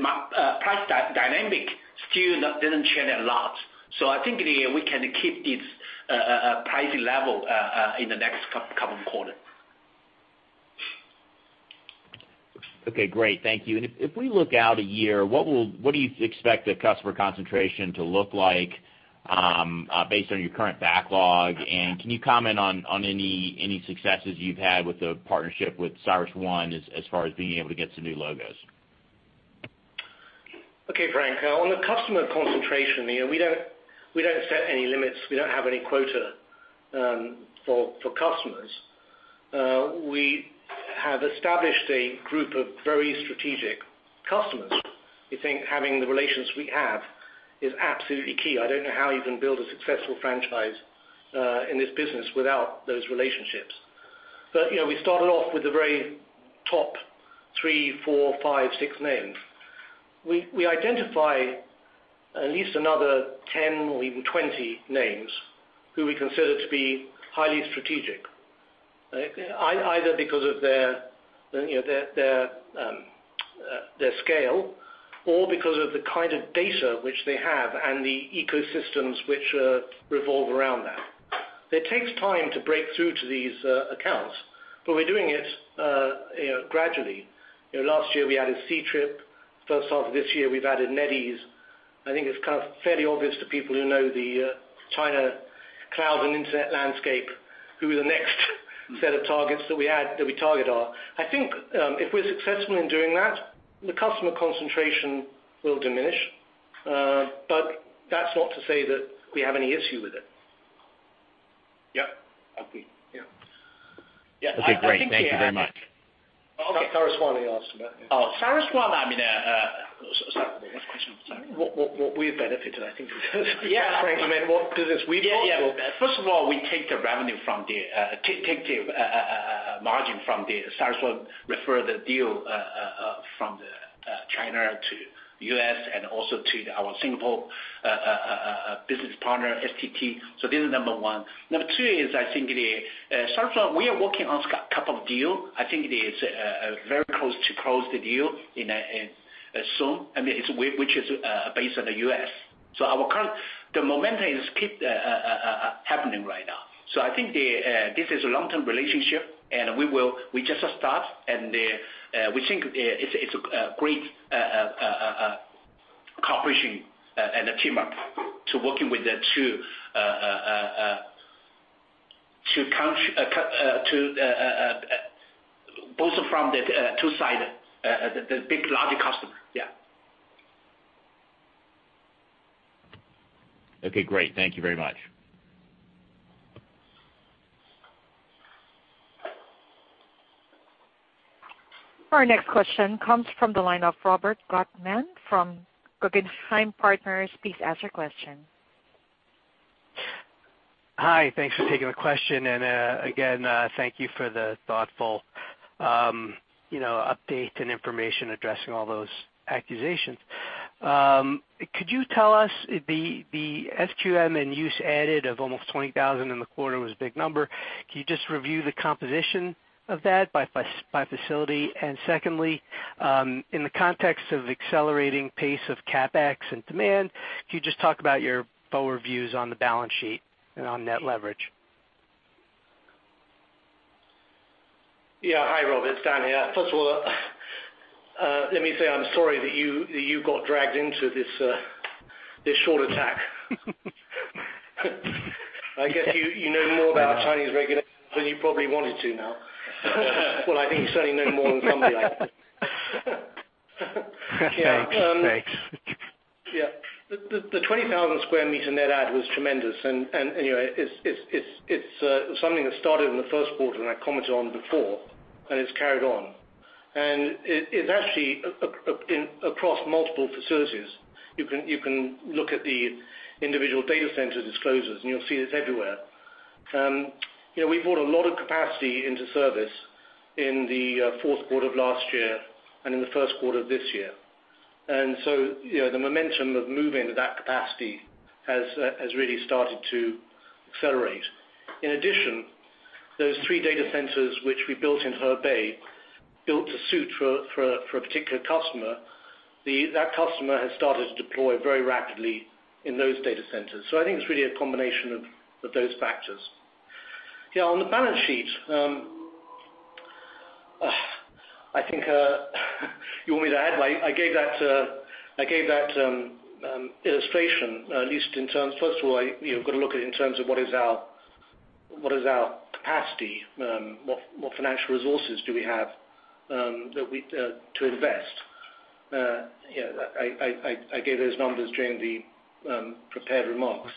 price dynamic still didn't change a lot. I think we can keep this pricing level in the next couple of quarters. Okay, great. Thank you. If we look out a year, what do you expect the customer concentration to look like based on your current backlog? Can you comment on any successes you've had with the partnership with CyrusOne as far as being able to get some new logos? Okay, Frank. On the customer concentration, we don't set any limits. We don't have any quota for customers. We have established a group of very strategic customers. We think having the relations we have is absolutely key. I don't know how you can build a successful franchise in this business without those relationships. We started off with the very top three, four, five, six names. We identify at least another 10 or even 20 names who we consider to be highly strategic, either because of their scale or because of the kind of data which they have and the ecosystems which revolve around that. It takes time to break through to these accounts, but we're doing it gradually. Last year we added Ctrip. First half of this year, we've added NetEase. I think it's kind of fairly obvious to people who know the China cloud and internet landscape who the next set of targets that we target are. I think if we're successful in doing that, the customer concentration will diminish. That's not to say that we have any issue with it. Yep. Agree. Yeah. Okay, great. Thank you very much. CyrusOne asked about it. Oh, CyrusOne. Sorry, next question. Sorry. What we have benefited, I think. Yeah. What business we built. Yeah. First of all, we take the margin from the CyrusOne, refer the deal from China to U.S. and also to our Singapore business partner, STT. This is number one. Number two is I think CyrusOne, we are working on a couple of deal. I think it is very close to close the deal soon, which is based in the U.S. The momentum is kept happening right now. I think this is a long-term relationship, and we just start, and we think it's a great cooperation and a teamwork to working both from the two side, the big larger customer. Yeah. Okay, great. Thank you very much. Our next question comes from the line of Robert Gutman from Guggenheim Partners. Please ask your question. Hi. Thanks for taking the question, and, again, thank you for the thoughtful update and information addressing all those accusations. Could you tell us the SQM and use added of almost 20,000 in the quarter was a big number. Can you just review the composition of that by facility? Secondly, in the context of accelerating pace of CapEx and demand, could you just talk about your forward views on the balance sheet and on net leverage? Yeah. Hi, Rob, it's Dan here. First of all, let me say I'm sorry that you got dragged into this short attack. I guess you know more about Chinese regulations than you probably wanted to now. Well, I think you certainly know more than somebody, I think. Thanks. Yeah. The 20,000 sq m net add was tremendous. Anyway, it's something that started in the first quarter. I commented on before, and it's carried on. It's actually across multiple facilities. You can look at the individual data center disclosures, and you'll see it's everywhere. We brought a lot of capacity into service in the fourth quarter of last year and in the first quarter of this year. The momentum of moving that capacity has really started to accelerate. In addition, those three data centers, which we built in Hebei, built to suit for a particular customer. That customer has started to deploy very rapidly in those data centers. I think it's really a combination of those factors. Yeah, on the balance sheet, I think you want me to add why I gave that illustration. First of all, you've got to look at it in terms of what is our capacity, what financial resources do we have to invest. I gave those numbers during the prepared remarks.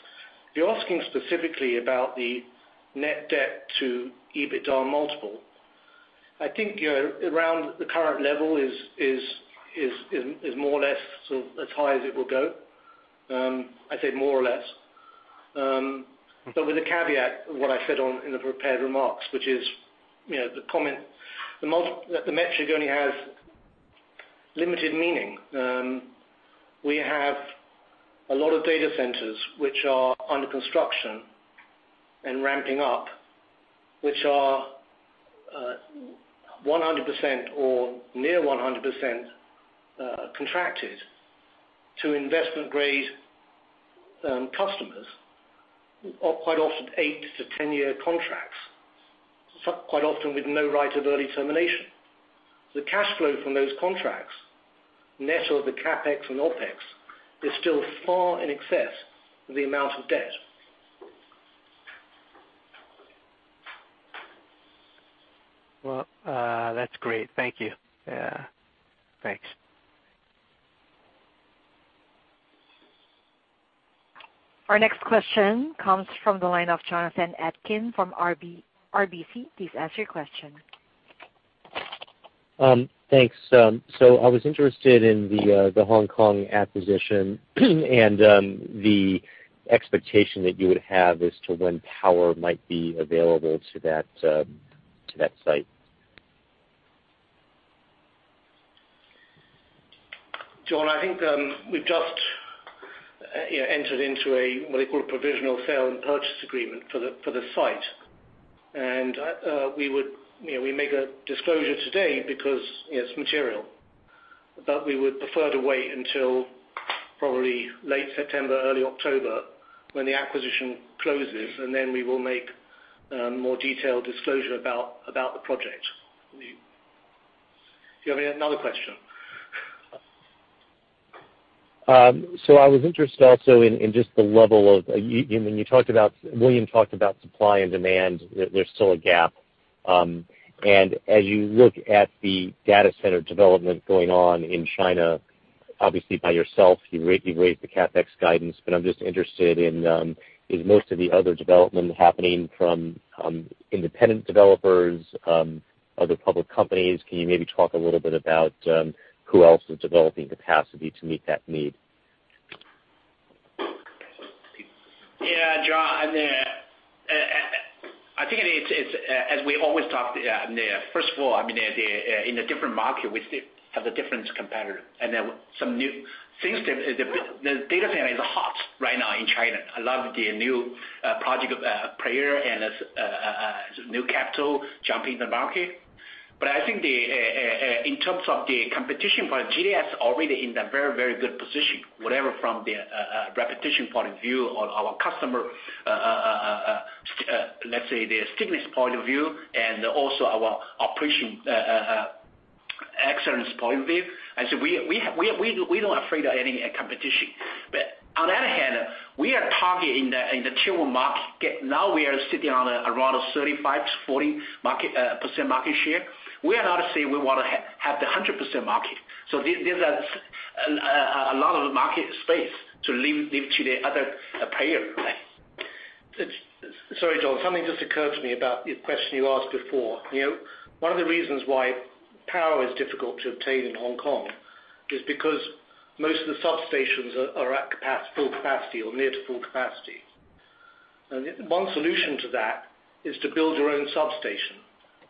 You're asking specifically about the net debt to EBITDA multiple. I think around the current level is more or less sort of as high as it will go. I'd say more or less. With the caveat of what I said in the prepared remarks, which is the comment that the metric only has limited meaning. We have a lot of data centers which are under construction and ramping up, which are 100% or near 100% contracted to investment grade customers, quite often 8-10-year contracts, quite often with no right of early termination. The cash flow from those contracts, net of the CapEx and OpEx, is still far in excess of the amount of debt. Well, that's great. Thank you. Yeah. Thanks. Our next question comes from the line of Jonathan Atkin from RBC. Please ask your question. Thanks. I was interested in the Hong Kong acquisition and the expectation that you would have as to when power might be available to that site. John, I think we've just entered into a what they call a provisional sale and purchase agreement for the site. We make a disclosure today because it's material. We would prefer to wait until probably late September, early October, when the acquisition closes, and then we will make more detailed disclosure about the project. Do you have any other question? I was interested also in just the level of, when William talked about supply and demand, there's still a gap. As you look at the data center development going on in China, obviously by yourself, you've raised the CapEx guidance. I'm just interested in, is most of the other development happening from independent developers, other public companies? Can you maybe talk a little bit about who else is developing capacity to meet that need? Yeah, John. I think as we always talk, first of all, in a different market, we still have a different competitor, and there are some new things. The data center is hot right now in China. A lot of the new project player and new capital jumping the market. I think in terms of the competition, GDS already in the very, very good position, whatever, from the reputation point of view or our customer, let's say, the stickiness point of view and also our operation excellence point of view. We aren't afraid of any competition. On the other hand, we are targeting the Tier 1 market. Now we are sitting on around 35%-40% market share. We are not saying we want to have the 100% market. There's a lot of market space to leave to the other player. Sorry, John, something just occurred to me about the question you asked before. One of the reasons why power is difficult to obtain in Hong Kong is because most of the substations are at full capacity or near to full capacity. One solution to that is to build your own substation.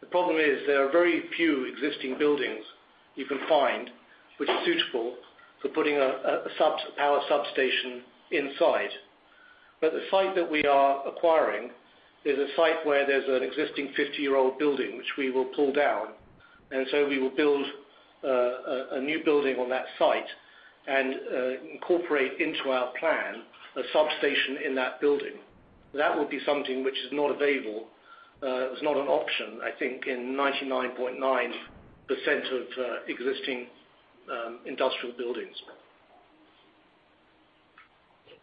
The problem is there are very few existing buildings you can find which are suitable for putting a power substation inside. The site that we are acquiring is a site where there's an existing 50-year-old building, which we will pull down. We will build a new building on that site and incorporate into our plan a substation in that building. That would be something which is not available, it's not an option, I think, in 99.9% of existing industrial buildings.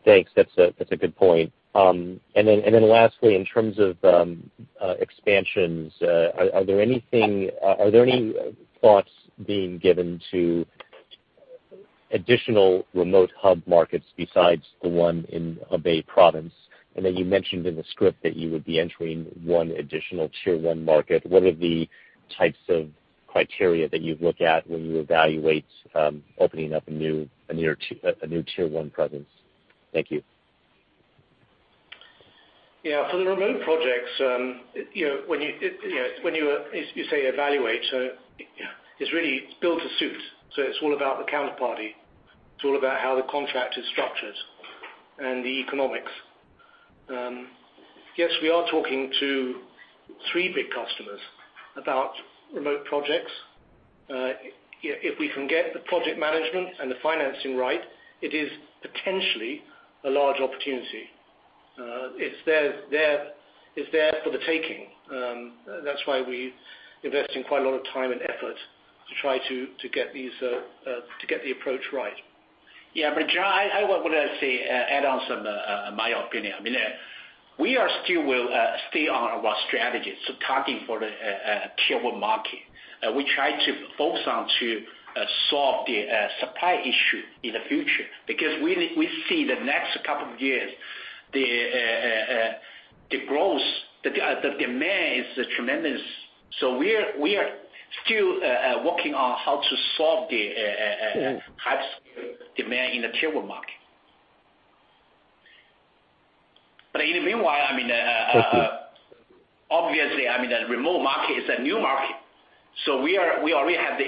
Thanks. That's a good point. Lastly, in terms of expansions, are there any thoughts being given to additional remote hub markets besides the one in Hebei Province? You mentioned in the script that you would be entering one additional Tier 1 market. What are the types of criteria that you look at when you evaluate opening up a new Tier 1 province? Thank you. Yeah. For the remote projects, when you say evaluate, it's really built to suit. It's all about the counterparty. It's all about how the contract is structured and the economics. Yes, we are talking to three big customers about remote projects. If we can get the project management and the financing right, it is potentially a large opportunity. It's there for the taking. That's why we're investing quite a lot of time and effort to try to get the approach right. Yeah. John, I would say, add on some my opinion. We are still on our strategies, targeting for the Tier 1 market. We try to focus on to solve the supply issue in the future because we see the next couple of years, the demand is tremendous. We are still working on how to solve the huge demand in the Tier 1 market. In the meanwhile, obviously, the remote market is a new market. We already have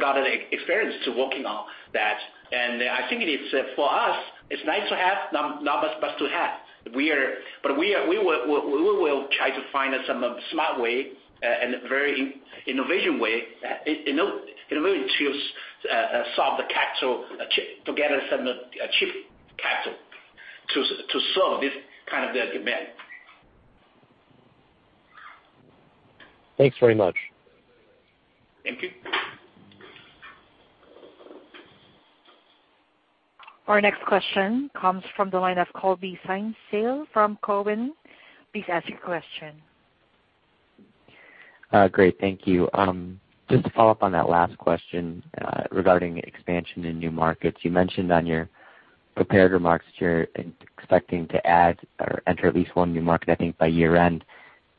gathered experience to working on that. I think for us, it's nice to have, not must to have. We will try to find some smart way and very innovation way in a way to solve the capital, to get some cheap capital to solve this kind of demand. Thanks very much. Thank you. Our next question comes from the line of Colby Synesael from Cowen. Please ask your question. Great. Thank you. Just to follow up on that last question regarding expansion in new markets. You mentioned on your prepared remarks that you're expecting to add or enter at least one new market, I think, by year end.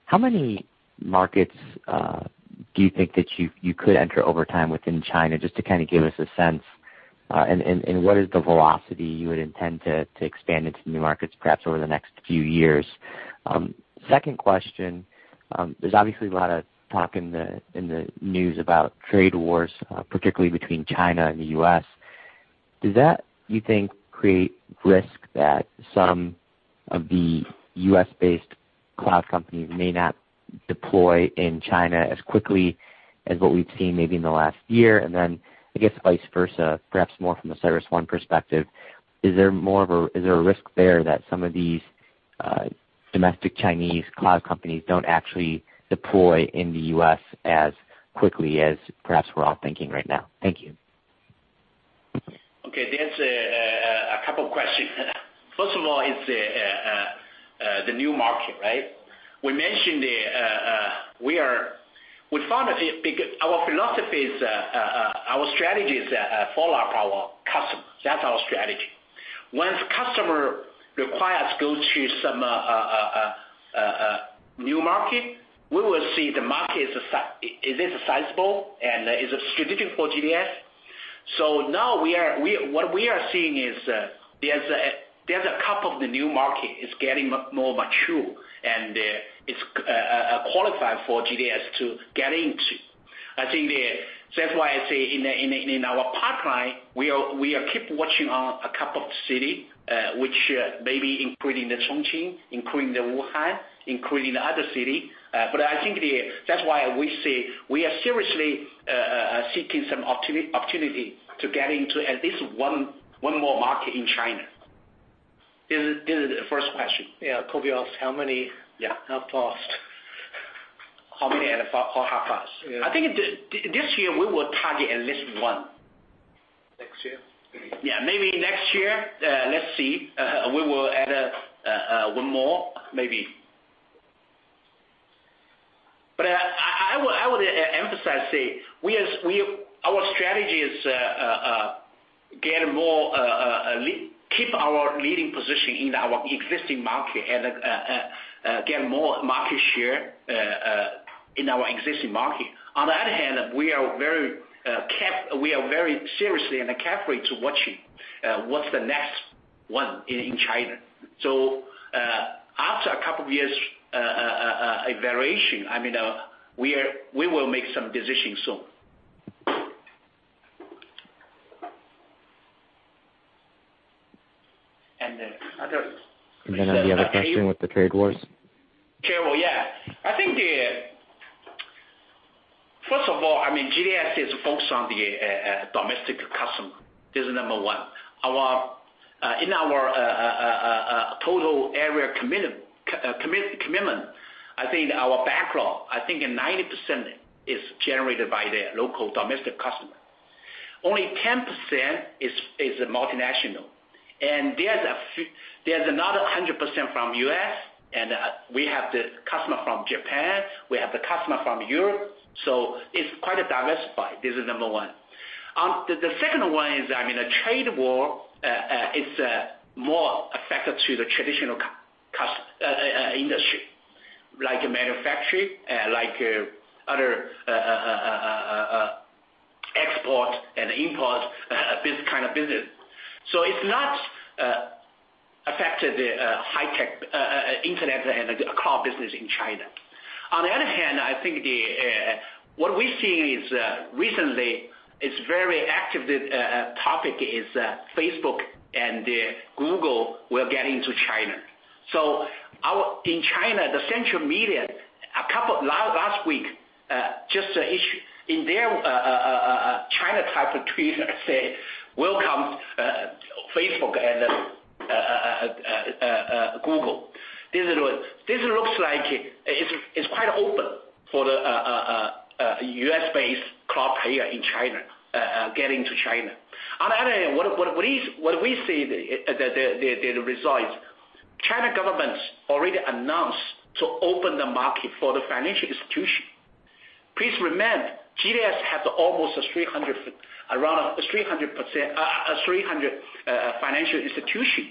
How many markets do you think that you could enter over time within China, just to kind of give us a sense, and what is the velocity you would intend to expand into new markets, perhaps over the next few years? Second question. There's obviously a lot of talk in the news about trade wars, particularly between China and the U.S. Does that, you think, create risk that some of the U.S.-based cloud companies may not deploy in China as quickly as what we've seen maybe in the last year? I guess vice versa, perhaps more from a CyrusOne perspective, is there a risk there that some of these domestic Chinese cloud companies don't actually deploy in the U.S. as quickly as perhaps we're all thinking right now? Thank you. That's a couple questions. First of all, it's the new market, right? We mentioned our philosophy is, our strategy is follow up our customer. That's our strategy. Once customer requires go to some new market, we will see the market. Is it sizable, and is it strategic for GDS? What we are seeing is there's a couple of the new market is getting more mature, and it's qualified for GDS to get into. That's why I say in our pipeline, we keep watching on a couple of city, which may be including the Chongqing, including the Wuhan, including the other city. I think that's why we say we are seriously seeking some opportunity to get into at least one more market in China. This is the first question. Could be asked how many- Yeah. How fast. How many and how fast. Yeah. I think this year we will target at least one. Next year? Yeah, maybe next year. Let's see. We will add one more, maybe. I would emphasize that our strategy is keep our leading position in our existing market and get more market share in our existing market. On the other hand, we are very seriously and carefully watching what's the next one in China. After a couple of years evaluation, we will make some decisions soon. The other- On the other question with the trade wars? Sure. Well, yeah. I think, first of all, GDS is focused on the domestic customer. This is number 1. In our total area commitment, I think our backlog, I think 90% is generated by the local domestic customer. Only 10% is multinational. There's another 100% from U.S., and we have the customer from Japan, we have the customer from Europe, so it's quite diversified. This is number 1. The second one is, the trade war, it's more effective to the traditional industry, like manufacturing, like other export and import kind of business. It's not affected the high tech internet and the cloud business in China. On the other hand, I think what we've seen is recently it's very active. The topic is Facebook and Google will get into China. In China, the central media, last week, just in their China type of tweet said, "Welcome Facebook and Google." This looks like it's quite open for the U.S.-based cloud player in China, getting to China. On the other hand, what we see the result is China government already announced to open the market for the financial institution. Please remember, GDS have almost 300 financial institution.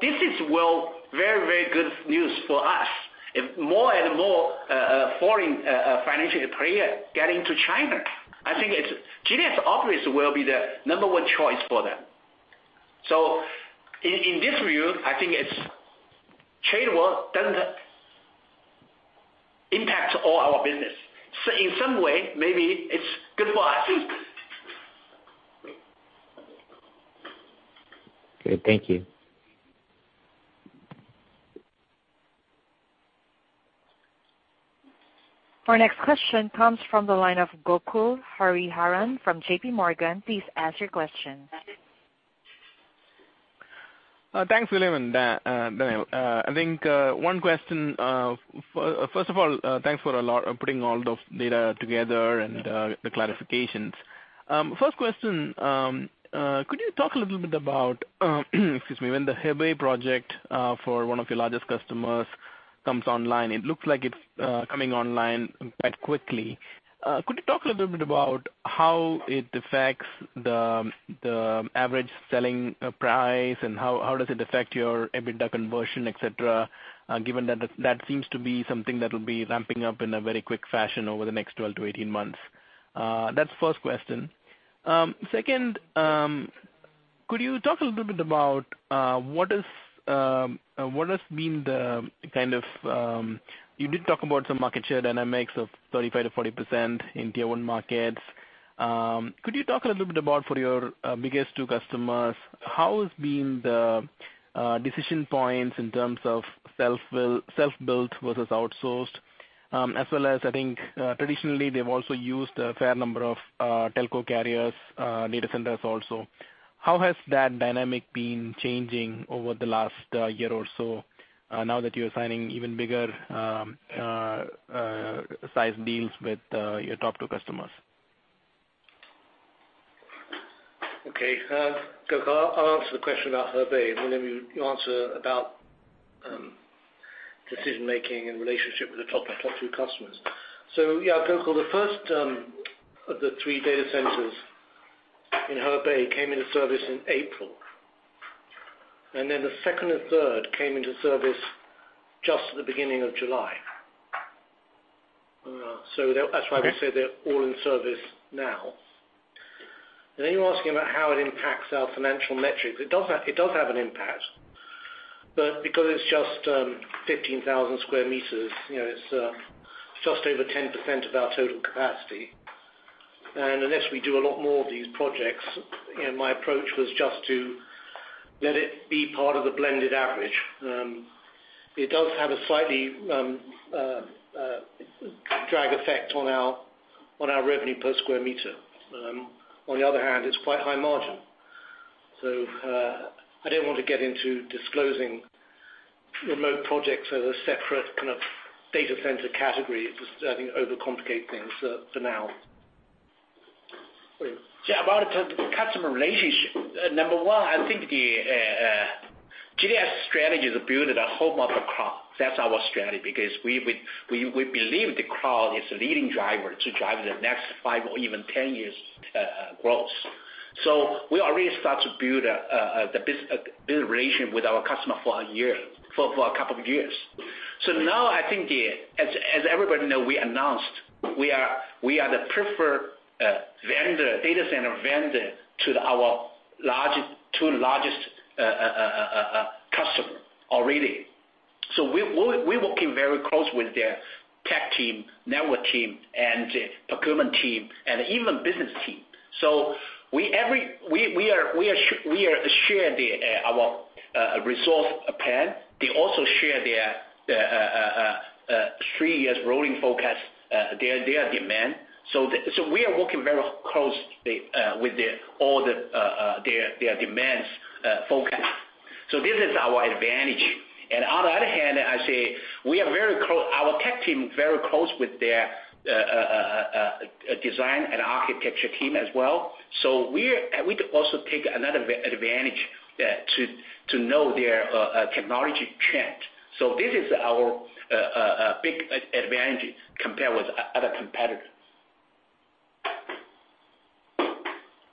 This is very good news for us. If more and more foreign financial player get into China, I think GDS always will be the number 1 choice for them. In this view, I think trade war doesn't impact all our business. In some way, maybe it's good for us. Okay. Thank you. Our next question comes from the line of Gokul Hariharan from J.P. Morgan. Please ask your question. Thanks, William and Daniel. First of all, thanks for putting all those data together and the clarifications. First question, could you talk a little bit about, excuse me, when the Hebei project for one of your largest customers comes online? It looks like it's coming online quite quickly. Could you talk a little bit about how it affects the average selling price, and how does it affect your EBITDA conversion, et cetera, given that seems to be something that will be ramping up in a very quick fashion over the next 12-18 months. That's the first question. Second, could you talk a little bit about what has been the kind of-- You did talk about some market share dynamics of 35%-40% in Tier 1 markets. Could you talk a little bit about for your biggest two customers, how has been the decision points in terms of self-built versus outsourced? As well as, I think, traditionally, they've also used a fair number of telco carriers data centers also. How has that dynamic been changing over the last year or so now that you're signing even bigger size deals with your top two customers? Okay. Gokul, I'll answer the question about Hebei, William, you answer about decision making and relationship with the top two customers. Yeah, Gokul, the first of the three data centers in Hebei came into service in April, the second and third came into service just at the beginning of July. That's why we say they're all in service now. You're asking about how it impacts our financial metrics. It does have an impact, because it's just 15,000 sq m, it's just over 10% of our total capacity. Unless we do a lot more of these projects, my approach was just to let it be part of the blended average. It does have a slightly drag effect on our revenue per sq m. On the other hand, it's quite high margin. I don't want to get into disclosing remote projects as a separate kind of data center category. It's just I think overcomplicate things for now. Yeah. About customer relationship, number one, I think the GDS strategy is building a home of the cloud. That's our strategy, because we believe the cloud is the leading driver to drive the next five or even 10 years' growth. We already start to build a relationship with our customer for a couple of years. Now I think as everybody know, we announced we are the preferred data center vendor to our two largest customer already. We're working very close with their tech team, network team, and the procurement team, and even business team. We share our resource plan. They also share their three years rolling forecast, their demand. We are working very closely with all their demands forecast. This is our advantage. On the other hand, I say our tech team very close with their design and architecture team as well. We also take another advantage to know their technology trend. This is our big advantage compared with other competitors.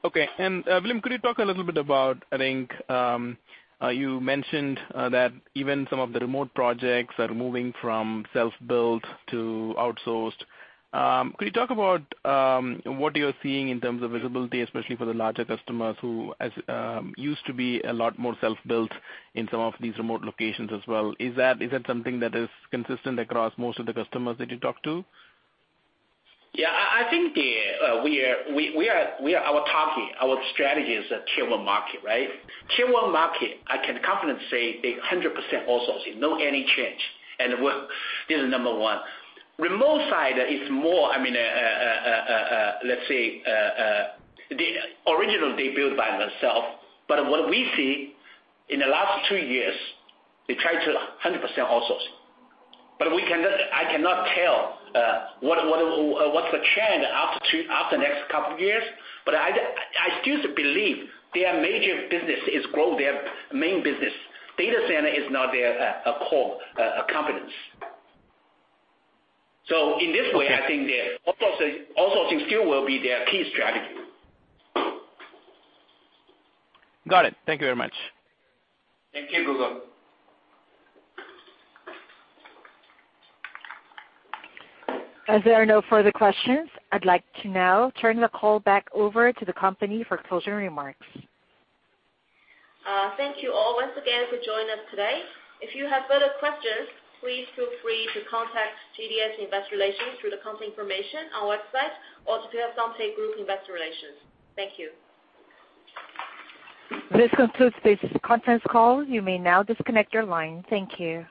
Okay. William, could you talk a little bit about, I think you mentioned that even some of the remote projects are moving from self-built to outsourced. Could you talk about what you're seeing in terms of visibility, especially for the larger customers who used to be a lot more self-built in some of these remote locations as well? Is that something that is consistent across most of the customers that you talk to? Yeah, I think our target, our strategy is Tier 1 market, right? Tier 1 market, I can confidently say they 100% outsourced, no any change. This is number one. Remote site is more, let's say, original, they built by themselves. What we see in the last 2 years, they try to 100% outsource. I cannot tell what's the trend after the next couple of years. I still believe their major business is grow their main business. Data center is not their core competence. In this way, I think the outsourcing still will be their key strategy. Got it. Thank you very much. Thank you, Gokul. As there are no further questions, I'd like to now turn the call back over to the company for closing remarks. Thank you all once again for joining us today. If you have further questions, please feel free to contact GDS Investor Relations through the contact information on our website or through Santander Group Investor Relations. Thank you. This concludes this conference call. You may now disconnect your line. Thank you.